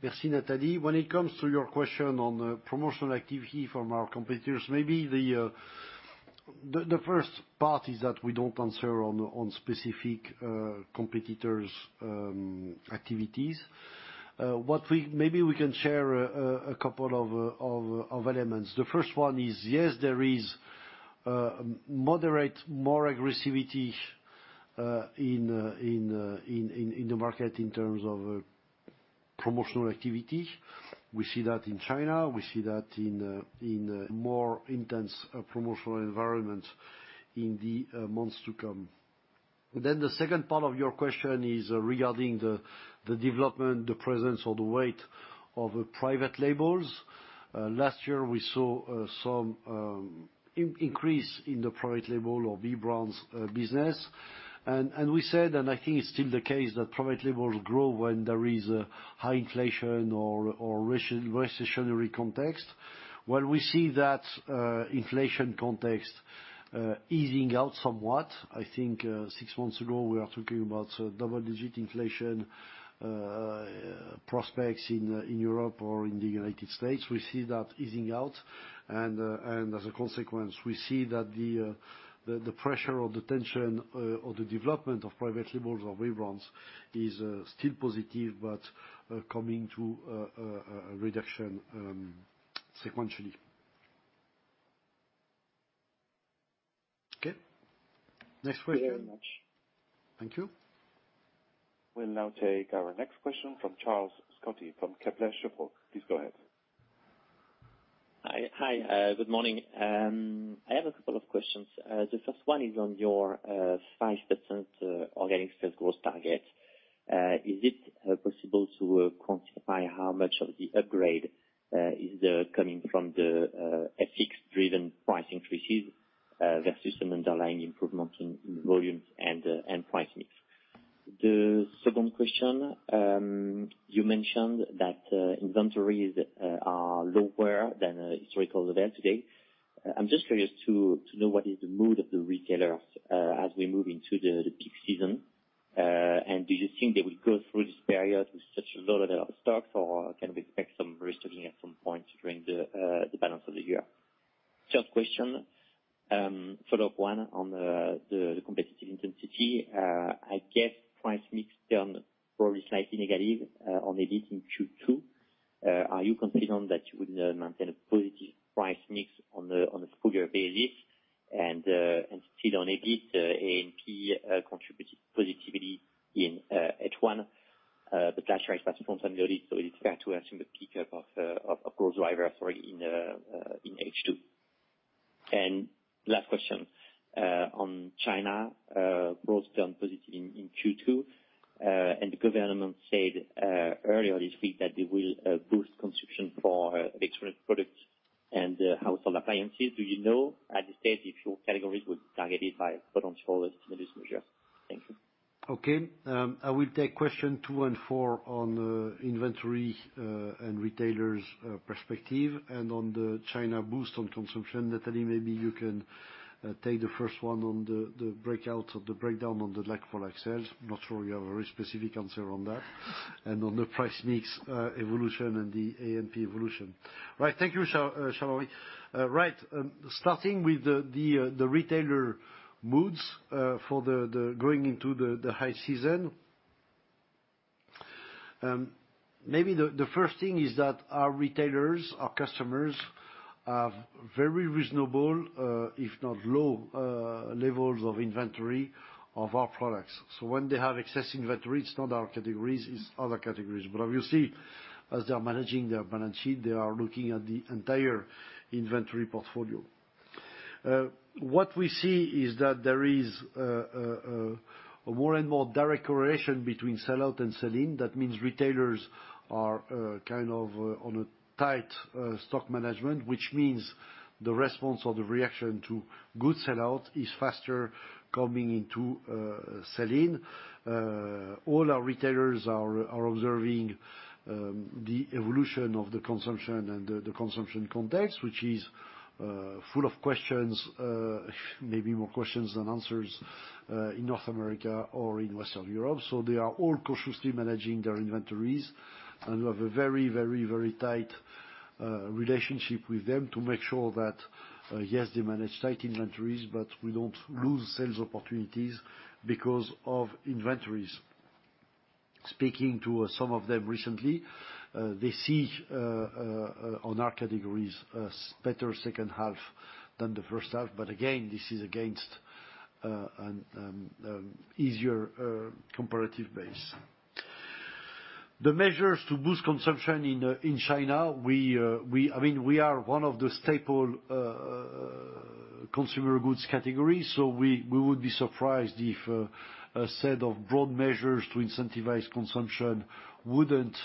Merci, Nathalie. When it comes to your question on the promotional activity from our competitors, maybe the first part is that we don't answer on specific competitors' activities. Maybe we can share a couple of elements. The first one is, yes, there is moderate, more aggressivity in the market in terms of promotional activity. We see that in China. We see that in a more intense promotional environment in the months to come. The second part of your question is regarding the development, the presence, or the weight of private labels. Last year, we saw some in-increase in the private label or B brands business. We said, and I think it's still the case, that private labels grow when there is a high inflation or recessionary context. While we see that inflation context easing out somewhat, I think six months ago, we are talking about double digit inflation prospects in Europe or in the U.S. We see that easing out. As a consequence, we see that the pressure or the tension or the development of private labels or B brands is still positive, but coming to a reduction sequentially. Okay. Next question. Thank you very much. Thank you. We'll now take our next question from Charles-Louis Scotti from Kepler Cheuvreux. Please go ahead. Hi. Hi, good morning. I have a couple of questions. The first one is on your 5% organic sales growth target. Is it possible to quantify how much of the upgrade is coming from the FX-driven price increases versus an underlying improvement in volumes and price mix? The second question, you mentioned that inventories are lower than historical level today. I'm just curious to know what is the mood of the retailers as we move into the peak season, and do you think they will go through this period with such a low level of stocks, or can we expect some restocking at some point during the balance of the year? Third question, follow-up one on the competitive intensity. I guess price mix turned probably slightly negative on EBIT in Q2. Are you confident that you would maintain a positive price mix on a full year basis, and still on EBIT, AMP contributed positivity in H1? The price rise was front-end loaded, so it's fair to assume a peak up of growth driver already in H2. Last question on China, growth turned positive in Q2, and the government said earlier this week that they will boost consumption for electronic products and household appliances. Do you know, at this stage, if your categories were targeted by potential this measure? Thank you. Okay. I will take question two and four on inventory and retailers' perspective, and on the China boost on consumption. Nathalie, maybe you can take the first one on the breakout or the breakdown on the like-for-like sales. Not sure you have a very specific answer on that, and on the price mix evolution and the AMP evolution. Right. Thank you, Charlie. Right, starting with the retailer moods for the going into the high season. Maybe the first thing is that our retailers, our customers, have very reasonable, if not low, levels of inventory of our products. When they have excess inventory, it's not our categories, it's other categories. Obviously, as they are managing their balance sheet, they are looking at the entire inventory portfolio. What we see is that there is a more and more direct correlation between sellout and sell-in. Means retailers are kind of on a tight stock management, which means the response or the reaction to good sellout is faster coming into sell-in. All our retailers are observing the evolution of the consumption and the consumption context, which is full of questions, maybe more questions than answers in North America or in Western Europe. They are all cautiously managing their inventories, and we have a very tight relationship with them to make sure that, yes, they manage tight inventories, but we don't lose sales opportunities because of inventories. speaking to some of them recently, they see on our categories, better second half than the first half. Again, this is against an easier comparative base. The measures to boost consumption in China, we, I mean, we are one of the staple consumer goods categories, so we would be surprised if a set of broad measures to incentivize consumption wouldn't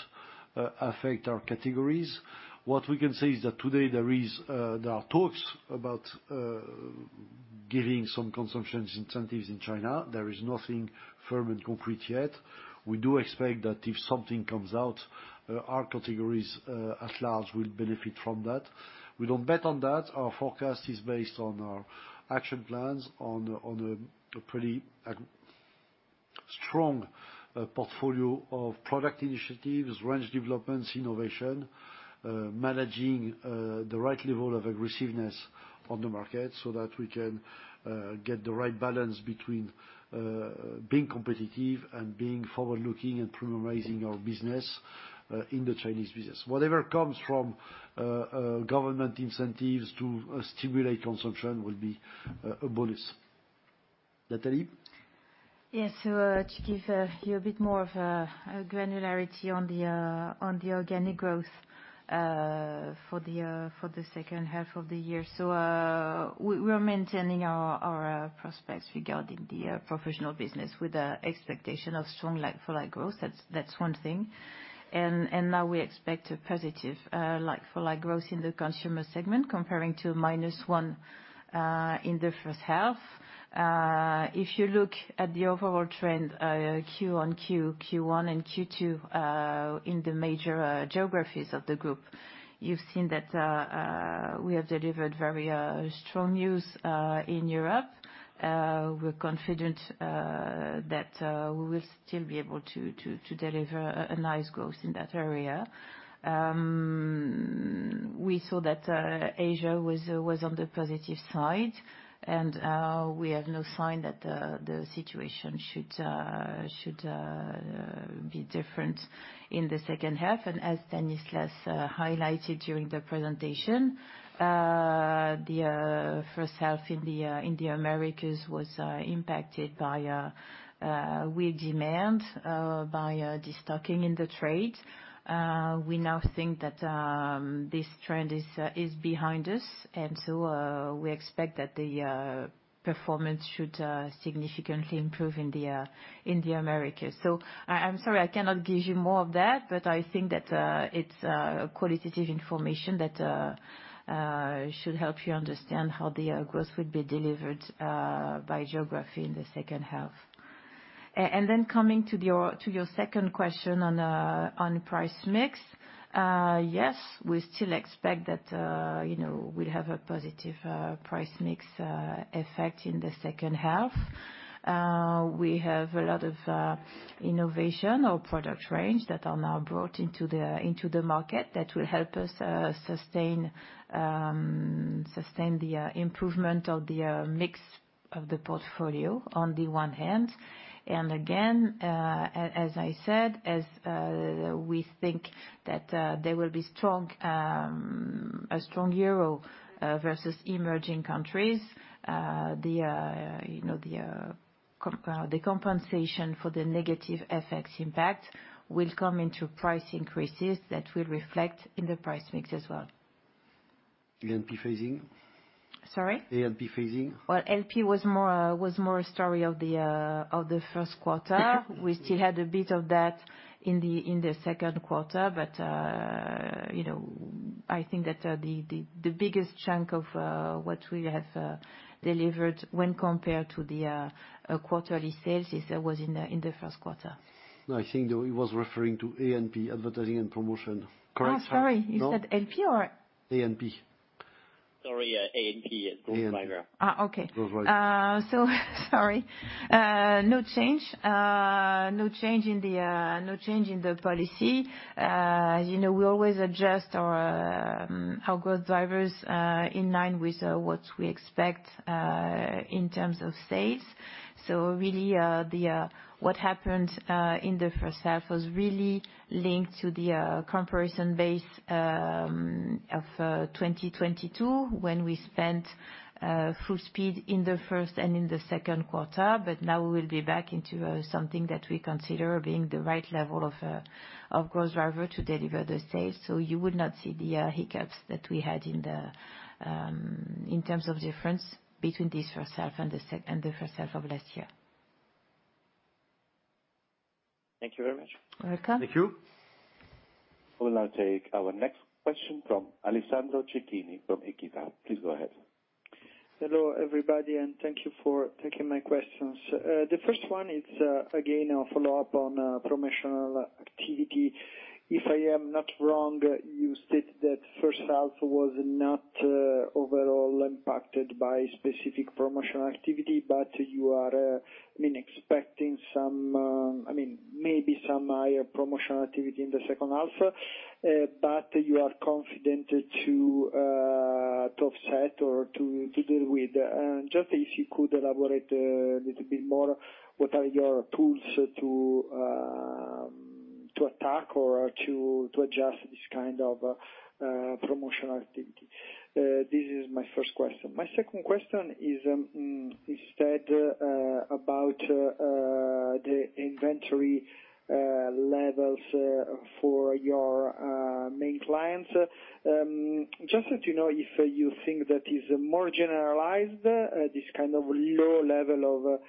affect our categories. What we can say is that today there are talks about giving some consumption incentives in China. There is nothing firm and concrete yet. We do expect that if something comes out, our categories, at large, will benefit from that. We don't bet on that. Our forecast is based on our action plans, on a pretty strong portfolio of product initiatives, range developments, innovation, managing the right level of aggressiveness on the market so that we can get the right balance between being competitive and being forward-looking and premiumizing our business in the Chinese business. Whatever comes from government incentives to stimulate consumption will be a bonus. Nathalie? Yes. To give you a bit more of a granularity on the organic growth for the second half of the year. We are maintaining our prospects regarding the professional business with a expectation of strong like-for-like growth. That's one thing. Now we expect a positive like-for-like growth in the consumer segment comparing to -1 in the first half. If you look at the overall trend, Q- on Q, Q1 and Q2, in the major geographies of the group, you've seen that we have delivered very strong news in Europe. We're confident that we will still be able to deliver a nice growth in that area. We saw that Asia was on the positive side, and we have no sign that the situation should be different in the second half. As Stanislas highlighted during the presentation, the first half in the Americas was impacted by weak demand, by destocking in the trade. We now think that this trend is behind us, and so we expect that the performance should significantly improve in the Americas. So I'm sorry, I cannot give you more of that, but I think that it's qualitative information that should help you understand how the growth will be delivered by geography in the second half. Then coming to your, to your second question on price mix, yes, we still expect that, you know, we'll have a positive price mix effect in the second half. We have a lot of innovation or product range that are now brought into the market that will help us sustain the improvement of the mix of the portfolio, on the one hand. Again, as I said, as we think that there will be strong a strong euro versus emerging countries, the, you know, the compensation for the negative effects impact will come into price increases that will reflect in the price mix as well. The L.P. phasing? Sorry? The LP phasing. Well, LP was more, was more a story of the, of the first quarter. We still had a bit of that in the, in the second quarter. You know, I think that, the, the biggest chunk of, what we have, delivered when compared to the, quarterly sales is that was in the, in the first quarter. No, I think that he was referring to A&P, advertising and promotion. Correct? Sorry. No? You said LP. A&P. Sorry, A&P, yes. A- Okay. Goes right. Sorry. No change, no change in the, no change in the policy. You know, we always adjust our growth drivers, in line with, what we expect, in terms of sales. Really, what happened, in the first half was really linked to the, comparison base, of, 2022, when we spent, full speed in the first and in the second quarter, but now we will be back into, something that we consider being the right level of growth driver to deliver the sales. You would not see the, hiccups that we had in the, in terms of difference between this first half and the first half of last year. Thank you very much. You're welcome. Thank you. We'll now take our next question from Alessandro Cecchini from Equita. Please go ahead. Hello, everybody. Thank you for taking my questions. The first one is again a follow-up on promotional activity. If I am not wrong, you stated that first half was not overall impacted by specific promotional activity, but you are, I mean, expecting some, I mean, maybe some higher promotional activity in the second half, but you are confident to offset or to deal with. Just if you could elaborate little bit more, what are your tools?... to attack or to adjust this kind of promotional activity? This is my first question. My second question is instead about the inventory levels for your main clients. Just to know if you think that is more generalized, this kind of low level of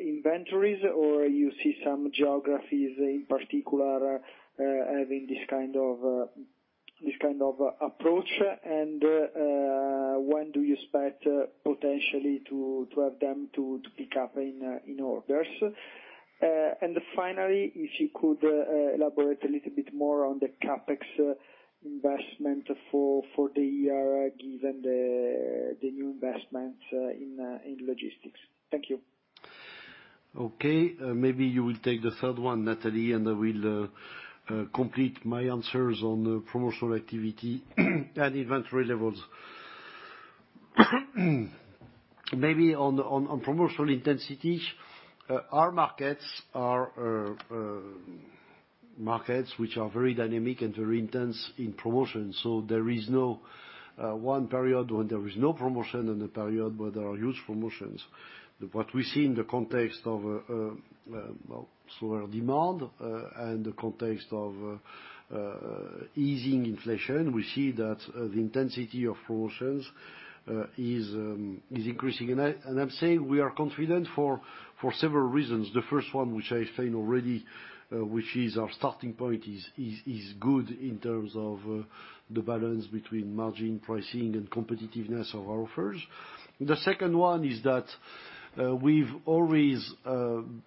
inventories, or you see some geographies in particular having this kind of approach? When do you expect potentially to have them to pick up in orders? Finally, if you could elaborate a little bit more on the CapEx investment for the year, given the new investments in logistics. Thank you. Okay, maybe you will take the third one, Nathalie, and I will complete my answers on the promotional activity and inventory levels. Maybe on promotional intensity, our markets are markets which are very dynamic and very intense in promotion, so there is no one period when there is no promotion and a period where there are huge promotions. We see in the context of, well, slower demand, and the context of easing inflation, we see that the intensity of promotions is increasing. I'm saying we are confident for several reasons. The first one, which I've said already, which is our starting point, is good in terms of the balance between margin pricing and competitiveness of our offers. The second one is that we've always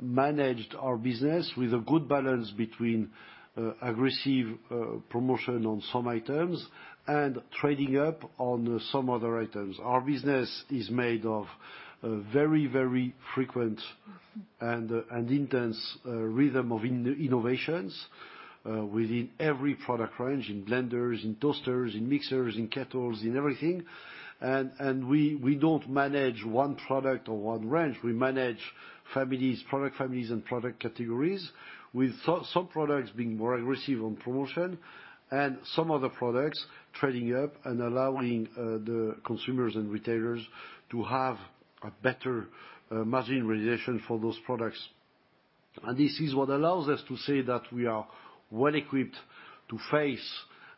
managed our business with a good balance between aggressive promotion on some items and trading up on some other items. Our business is made of a very, very frequent and intense rhythm of innovations within every product range, in blenders, in toasters, in mixers, in kettles, in everything. We don't manage one product or one range. We manage families, product families and product categories, with some products being more aggressive on promotion and some other products trading up and allowing the consumers and retailers to have a better margin realization for those products. This is what allows us to say that we are well-equipped to face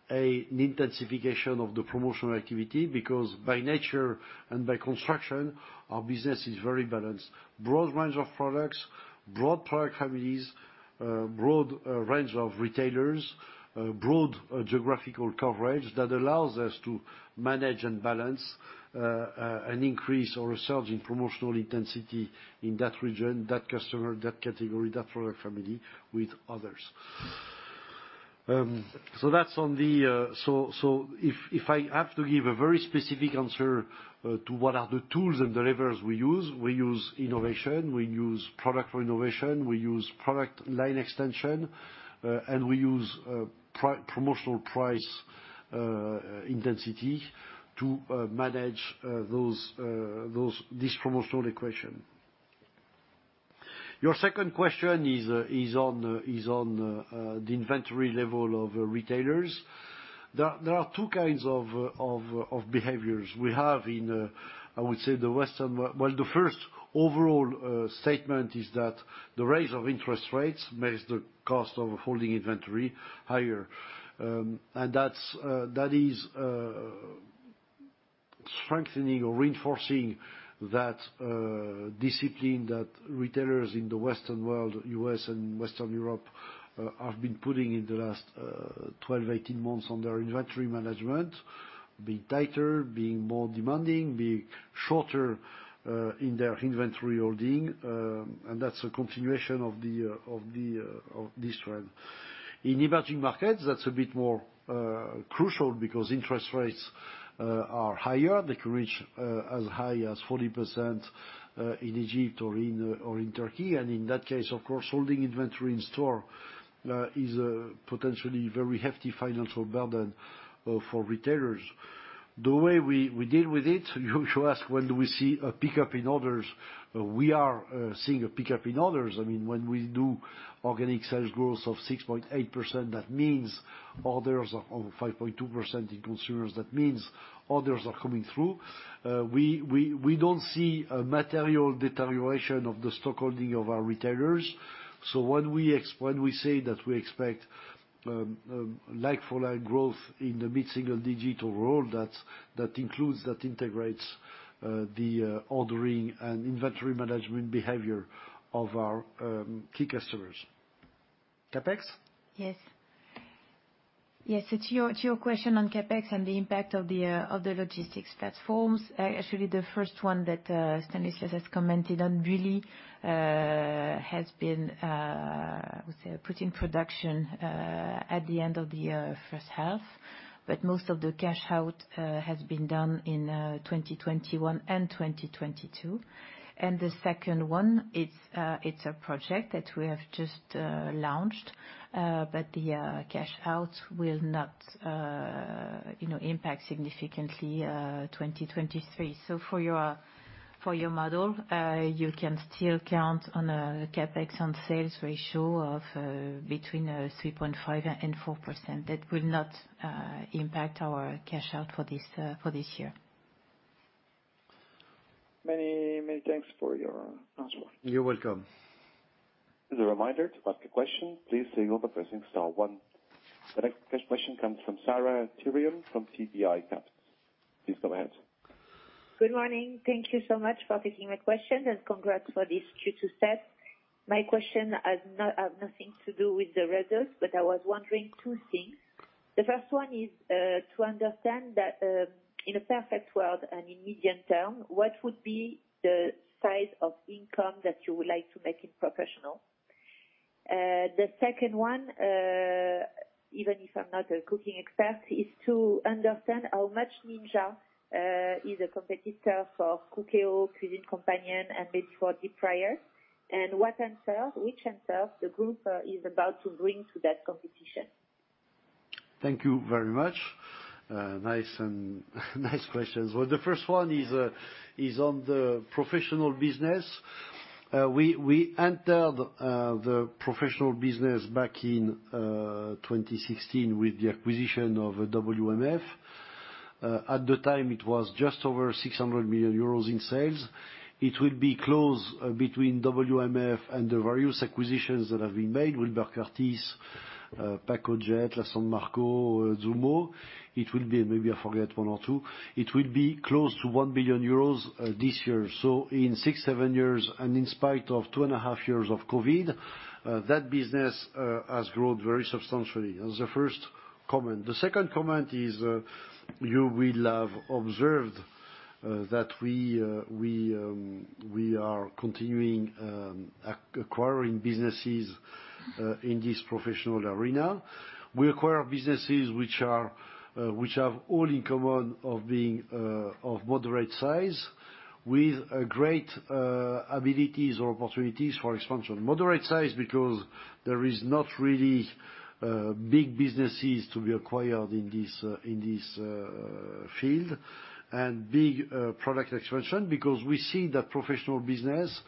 an intensification of the promotional activity, because by nature and by construction, our business is very balanced. Broad range of products, broad product families, broad range of retailers, broad geographical coverage that allows us to manage and balance an increase or a surge in promotional intensity in that region, that customer, that category, that product family with others. That's on the... If I have to give a very specific answer, to what are the tools and the levers we use, we use innovation, we use product renovation, we use product line extension, and we use promotional price intensity to manage those, this promotional equation. Your second question is on the inventory level of retailers. There are two kinds of behaviors. We have in, I would say, the Western World... Well, the first overall statement is that the raise of interest rates makes the cost of holding inventory higher. That's that is strengthening or reinforcing that discipline that retailers in the Western world, US and Western Europe, have been putting in the last 12, 18 months on their inventory management. Being tighter, being more demanding, being shorter in their inventory holding, and that's a continuation of the of the of this trend. In emerging markets, that's a bit more crucial because interest rates are higher. They can reach as high as 40% in Egypt or in or in Turkey. In that case, of course, holding inventory in store is a potentially very hefty financial burden for retailers. The way we deal with it, you ask, when do we see a pickup in orders? We are seeing a pickup in orders. I mean, when we do organic sales growth of 6.8%, that means orders of 5.2% in consumers, that means orders are coming through. We don't see a material deterioration of the stockholding of our retailers. When we say that we expect like-for-like growth in the mid-single digit overall, that's, that includes, that integrates the ordering and inventory management behavior of our key customers. CapEx? Yes, to your question on CapEx and the impact of the logistics platforms. Actually, the first one that Stanislas has commented on really has been, I would say, put in production at the end of the first half. Most of the cash out has been done in 2021 and 2022. The second one, it's a project that we have just launched, but the cash out will not, you know, impact significantly 2023. For your model, you can still count on a CapEx on sales ratio of between 3.5% and 4%. That will not impact our cash out for this year. Many thanks for your answer. You're welcome. As a reminder, to ask a question, please say over pressing star one. The next question comes from Sarah Thirion from TP ICAP. Please go ahead. Good morning. Thank you so much for taking my question. Congrats for this Q2 set. My question has nothing to do with the results, I was wondering two things. The first one is to understand that in a perfect world and in medium term, what would be the size of income that you would like to make it professional? The second one, even if I'm not a cooking expert, is to understand how much Ninja is a competitor for Cookeo, Cuisine Companion, and therefore, deep fryer, and what answers, which answers the group is about to bring to that competition? Thank you very much. Nice and nice questions. Well, the first one is on the professional business. We entered the professional business back in 2016 with the acquisition of WMF. At the time, it was just over 600 million euros in sales. It will be close between WMF and the various acquisitions that have been made, Wilbur Curtis, Pacojet, La San Marco, Zummo. Maybe I forget one or two. It will be close to 1 billion euros this year. In six, seven years, and in spite of 2.5 years of COVID, that business has grown very substantially. That's the first comment. The second comment is, you will have observed that we are continuing acquiring businesses in this professional arena. We acquire businesses which are, which have all in common of being of moderate size, with a great abilities or opportunities for expansion. Moderate size because there is not really big businesses to be acquired in this, in this field, and big product expansion, because we see the professional business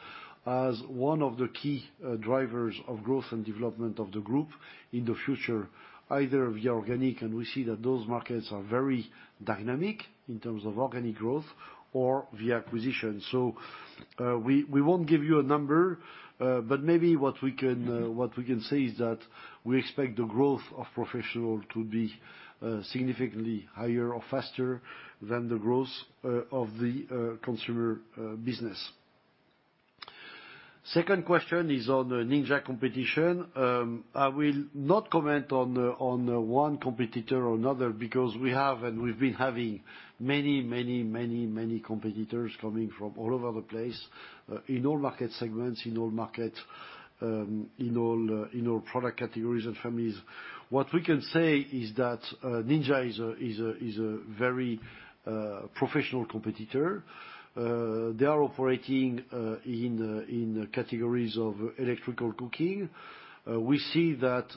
as one of the key drivers of growth and development of the group in the future, either via organic, and we see that those markets are very dynamic in terms of organic growth or via acquisition. We, we won't give you a number, but maybe what we can, what we can say is that we expect the growth of professional to be significantly higher or faster than the growth of the consumer business. Second question is on the Ninja competition. I will not comment on the, on the one competitor or another because we have, and we've been having many competitors coming from all over the place, in all market segments, in all market, in all product categories and families. We can say that Ninja is a very professional competitor. They are operating in categories of electrical cooking. We see that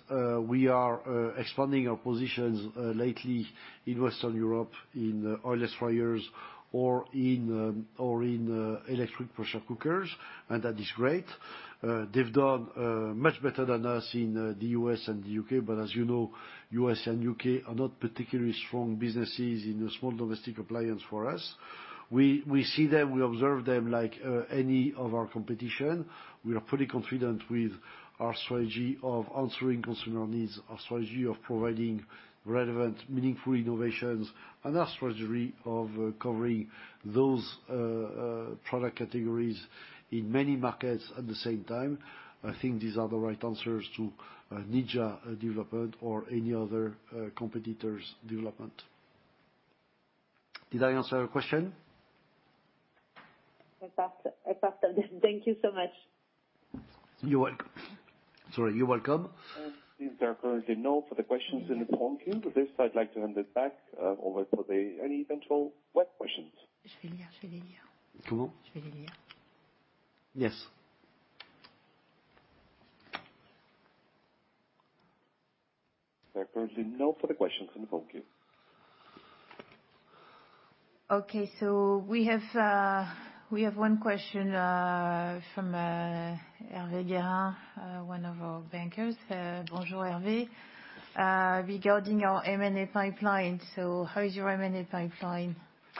we are expanding our positions lately in Western Europe, in oilless fryers or in electric pressure cookers, that is great. They've done much better than us in the U.S. and the U.K., as you know, U.S. and U.K. are not particularly strong businesses in the Small Domestic Appliances for us. We see them, we observe them like any of our competition. We are pretty confident with our strategy of answering consumer needs, our strategy of providing relevant, meaningful innovations, and our strategy of covering those product categories in many markets at the same time. I think these are the right answers to Ninja development or any other competitor's development. Did I answer your question? Perfect. Perfect. Thank you so much. You're welcome. Sorry. You're welcome. There are currently no further questions in the phone queue. With this, I'd like to hand it back over for the any control web questions. Come on? Yes. There are currently no further questions in the phone queue. We have one question from Hervé Guérin, one of our bankers. Bonjour, Hervé. Regarding our M&A pipeline, how is your M&A pipeline?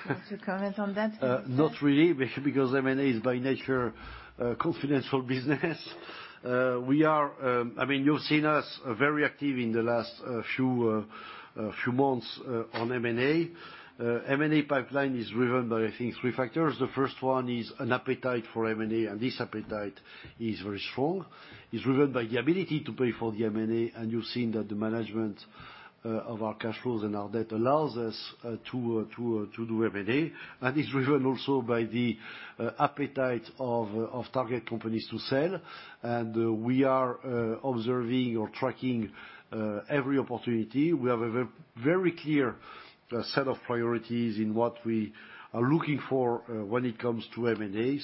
Want to comment on that? Not really, because M&A is, by nature, a confidential business. We are... I mean, you've seen us very active in the last few months on M&A. M&A pipeline is driven by, I think, three factors. The first one is an appetite for M&A. This appetite is very strong. It's driven by the ability to pay for the M&A, and you've seen that the management of our cash flows and our debt allows us to do M&A. It's driven also by the appetite of target companies to sell. We are observing or tracking every opportunity. We have a very clear set of priorities in what we are looking for when it comes to M&A.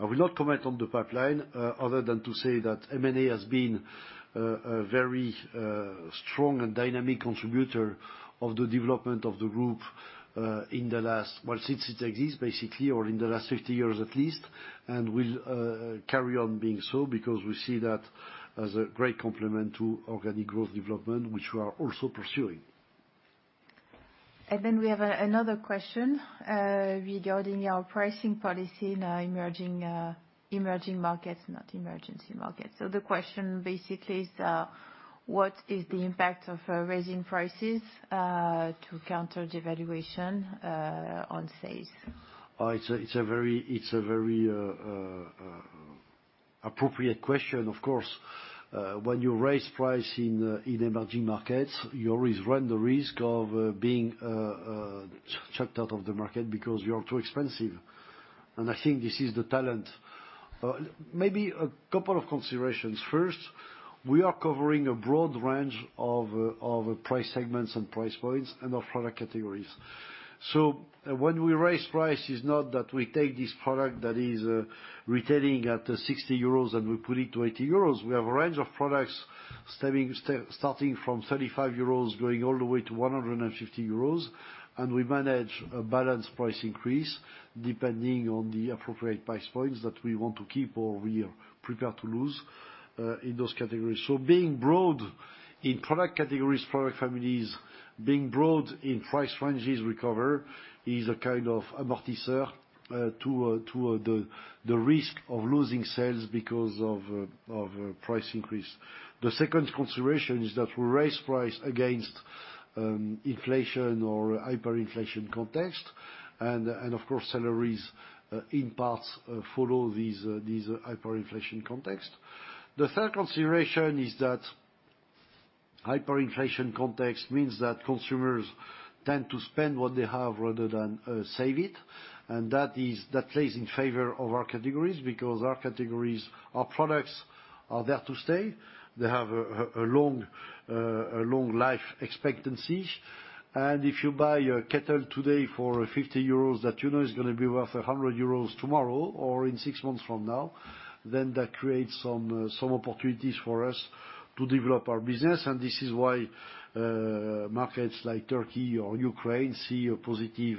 I will not comment on the pipeline, other than to say that M&A has been a very strong and dynamic contributor of the development of the group, in the last well, since it exists, basically, or in the last 50 years at least. Will carry on being so, because we see that as a great complement to organic growth development, which we are also pursuing. We have a, another question regarding our pricing policy in our emerging markets, not emergency markets. The question basically is, what is the impact of raising prices to counter devaluation on sales? It's a very appropriate question, of course. When you raise price in emerging markets, you always run the risk of being chucked out of the market because you are too expensive, and I think this is the talent. Maybe a couple of considerations. First, we are covering a broad range of price segments and price points and of product categories. When we raise price, it's not that we take this product that is retailing at 60 euros, and we put it to 80 euros. We have a range of products starting from 35 euros, going all the way to 150 euros, and we manage a balanced price increase depending on the appropriate price points that we want to keep or we are prepared to lose in those categories. Being broad in product categories, product families, being broad in price ranges we cover, is a kind of amortisseur to the risk of losing sales because of price increase. The second consideration is that we raise price against inflation or hyperinflation context. Of course, salaries in parts follow these hyperinflation context. The third consideration is that hyperinflation context means that consumers tend to spend what they have rather than save it. That plays in favor of our categories, because our categories, our products are there to stay. They have a long life expectancy. If you buy a kettle today for 50 euros, that you know is gonna be worth 100 euros tomorrow or in 6 months from now, that creates some opportunities for us to develop our business. This is why markets like Turkey or Ukraine see a positive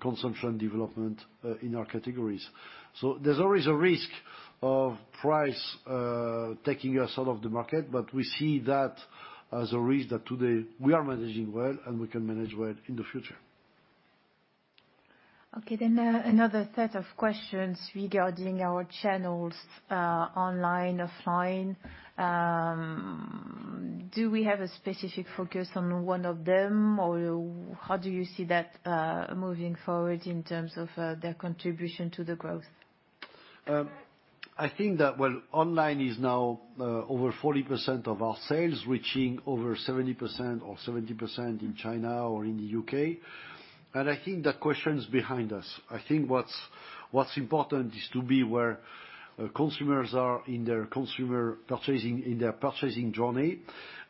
consumption development in our categories. There's always a risk of price taking us out of the market. We see that as a risk that today we are managing well, and we can manage well in the future. Okay, another set of questions regarding our channels, online, offline. Do we have a specific focus on one of them, or how do you see that moving forward in terms of their contribution to the growth? I think that, well, online is now over 40% of our sales, reaching over 70% or 70% in China or in the UK, I think that question's behind us. I think what's important is to be where consumers are in their consumer purchasing, in their purchasing journey,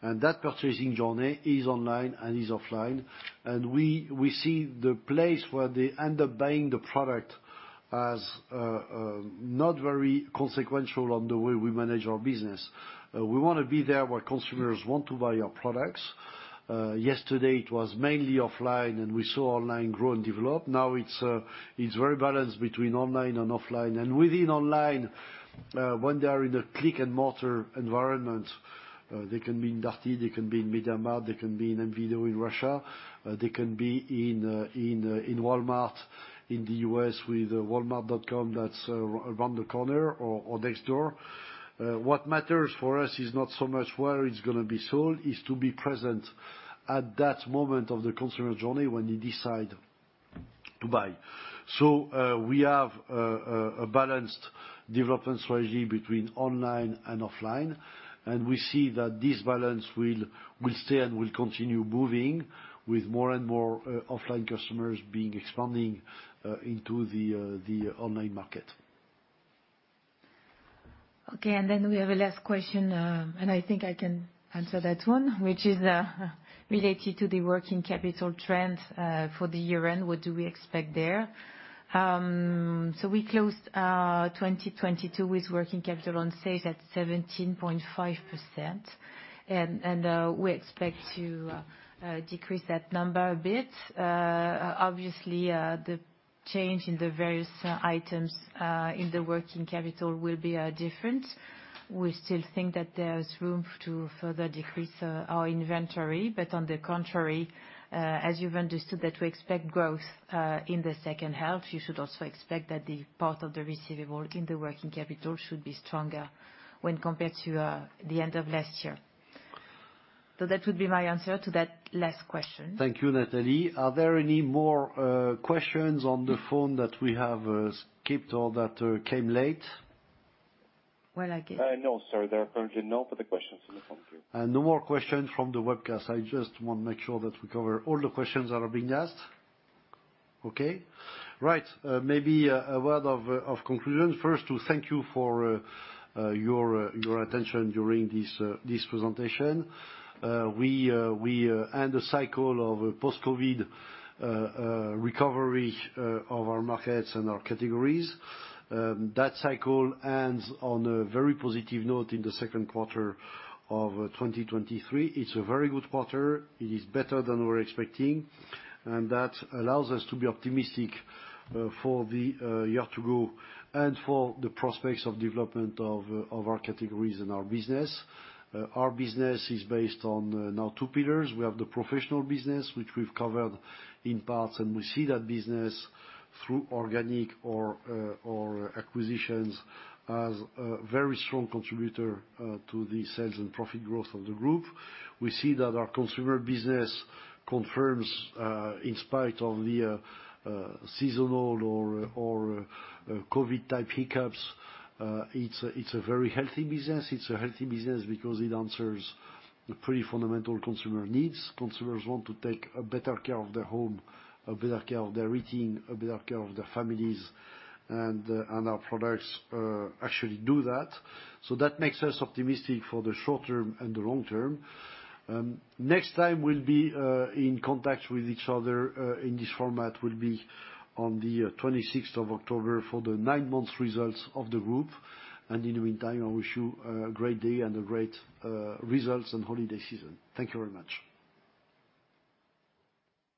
and that purchasing journey is online and is offline. We, we see the place where they end up buying the product as not very consequential on the way we manage our business. We wanna be there where consumers want to buy our products. Yesterday it was mainly offline, and we saw online grow and develop. Now it's very balanced between online and offline. Within online, when they are in a click and mortar environment, they can be in Inductie, they can be in MediaMarkt, they can be in M.Video in Russia, they can be in Walmart in the US with walmart.com that's around the corner or next door. What matters for us is not so much where it's gonna be sold, it's to be present at that moment of the consumer journey when they decide to buy. We have a balanced development strategy between online and offline, and we see that this balance will stay and will continue moving with more and more offline customers being expanding into the online market. We have a last question, and I think I can answer that one, which is related to the working capital trend for the year end. What do we expect there? We closed 2022 with working capital on sales at 17.5%, we expect to decrease that number a bit. Obviously, the change in the various items in the working capital will be different. We still think that there's room to further decrease our inventory, on the contrary, as you've understood, that we expect growth in the second half, you should also expect that the part of the receivable in the working capital should be stronger when compared to the end of last year. That would be my answer to that last question. Thank you, Nathalie. Are there any more questions on the phone that we have skipped or that came late? Well. No, sir, there are currently no further questions on the phone for you. No more questions from the webcast. I just want to make sure that we cover all the questions that are being asked. Okay, right. Maybe a word of conclusion. First, to thank you for your attention during this presentation. We end the cycle of post-COVID recovery of our markets and our categories. That cycle ends on a very positive note in the second quarter of 2023. It's a very good quarter. It is better than we were expecting, and that allow us to be optimistic for the year to go and for the prospects of development of our categories and our business. Our business is based on now two pillars. We have the professional business, which we've covered in part, and we see that business through organic or acquisitions as a very strong contributor to the sales and profit growth of the Group. We see that our consumer business confirms, in spite of the seasonal or COVID-type hiccups, it's a very healthy business. It's a healthy business because it answers pretty fundamental consumer needs. Consumers want to take a better care of their home, a better care of their routine, a better care of their families, and our products actually do that. That makes us optimistic for the short term and the long term. Next time we'll be in contact with each other in this format will be on the 26th of October for the 9-month results of the Group. In the meantime, I wish you a great day and a great results and holiday season. Thank you very much.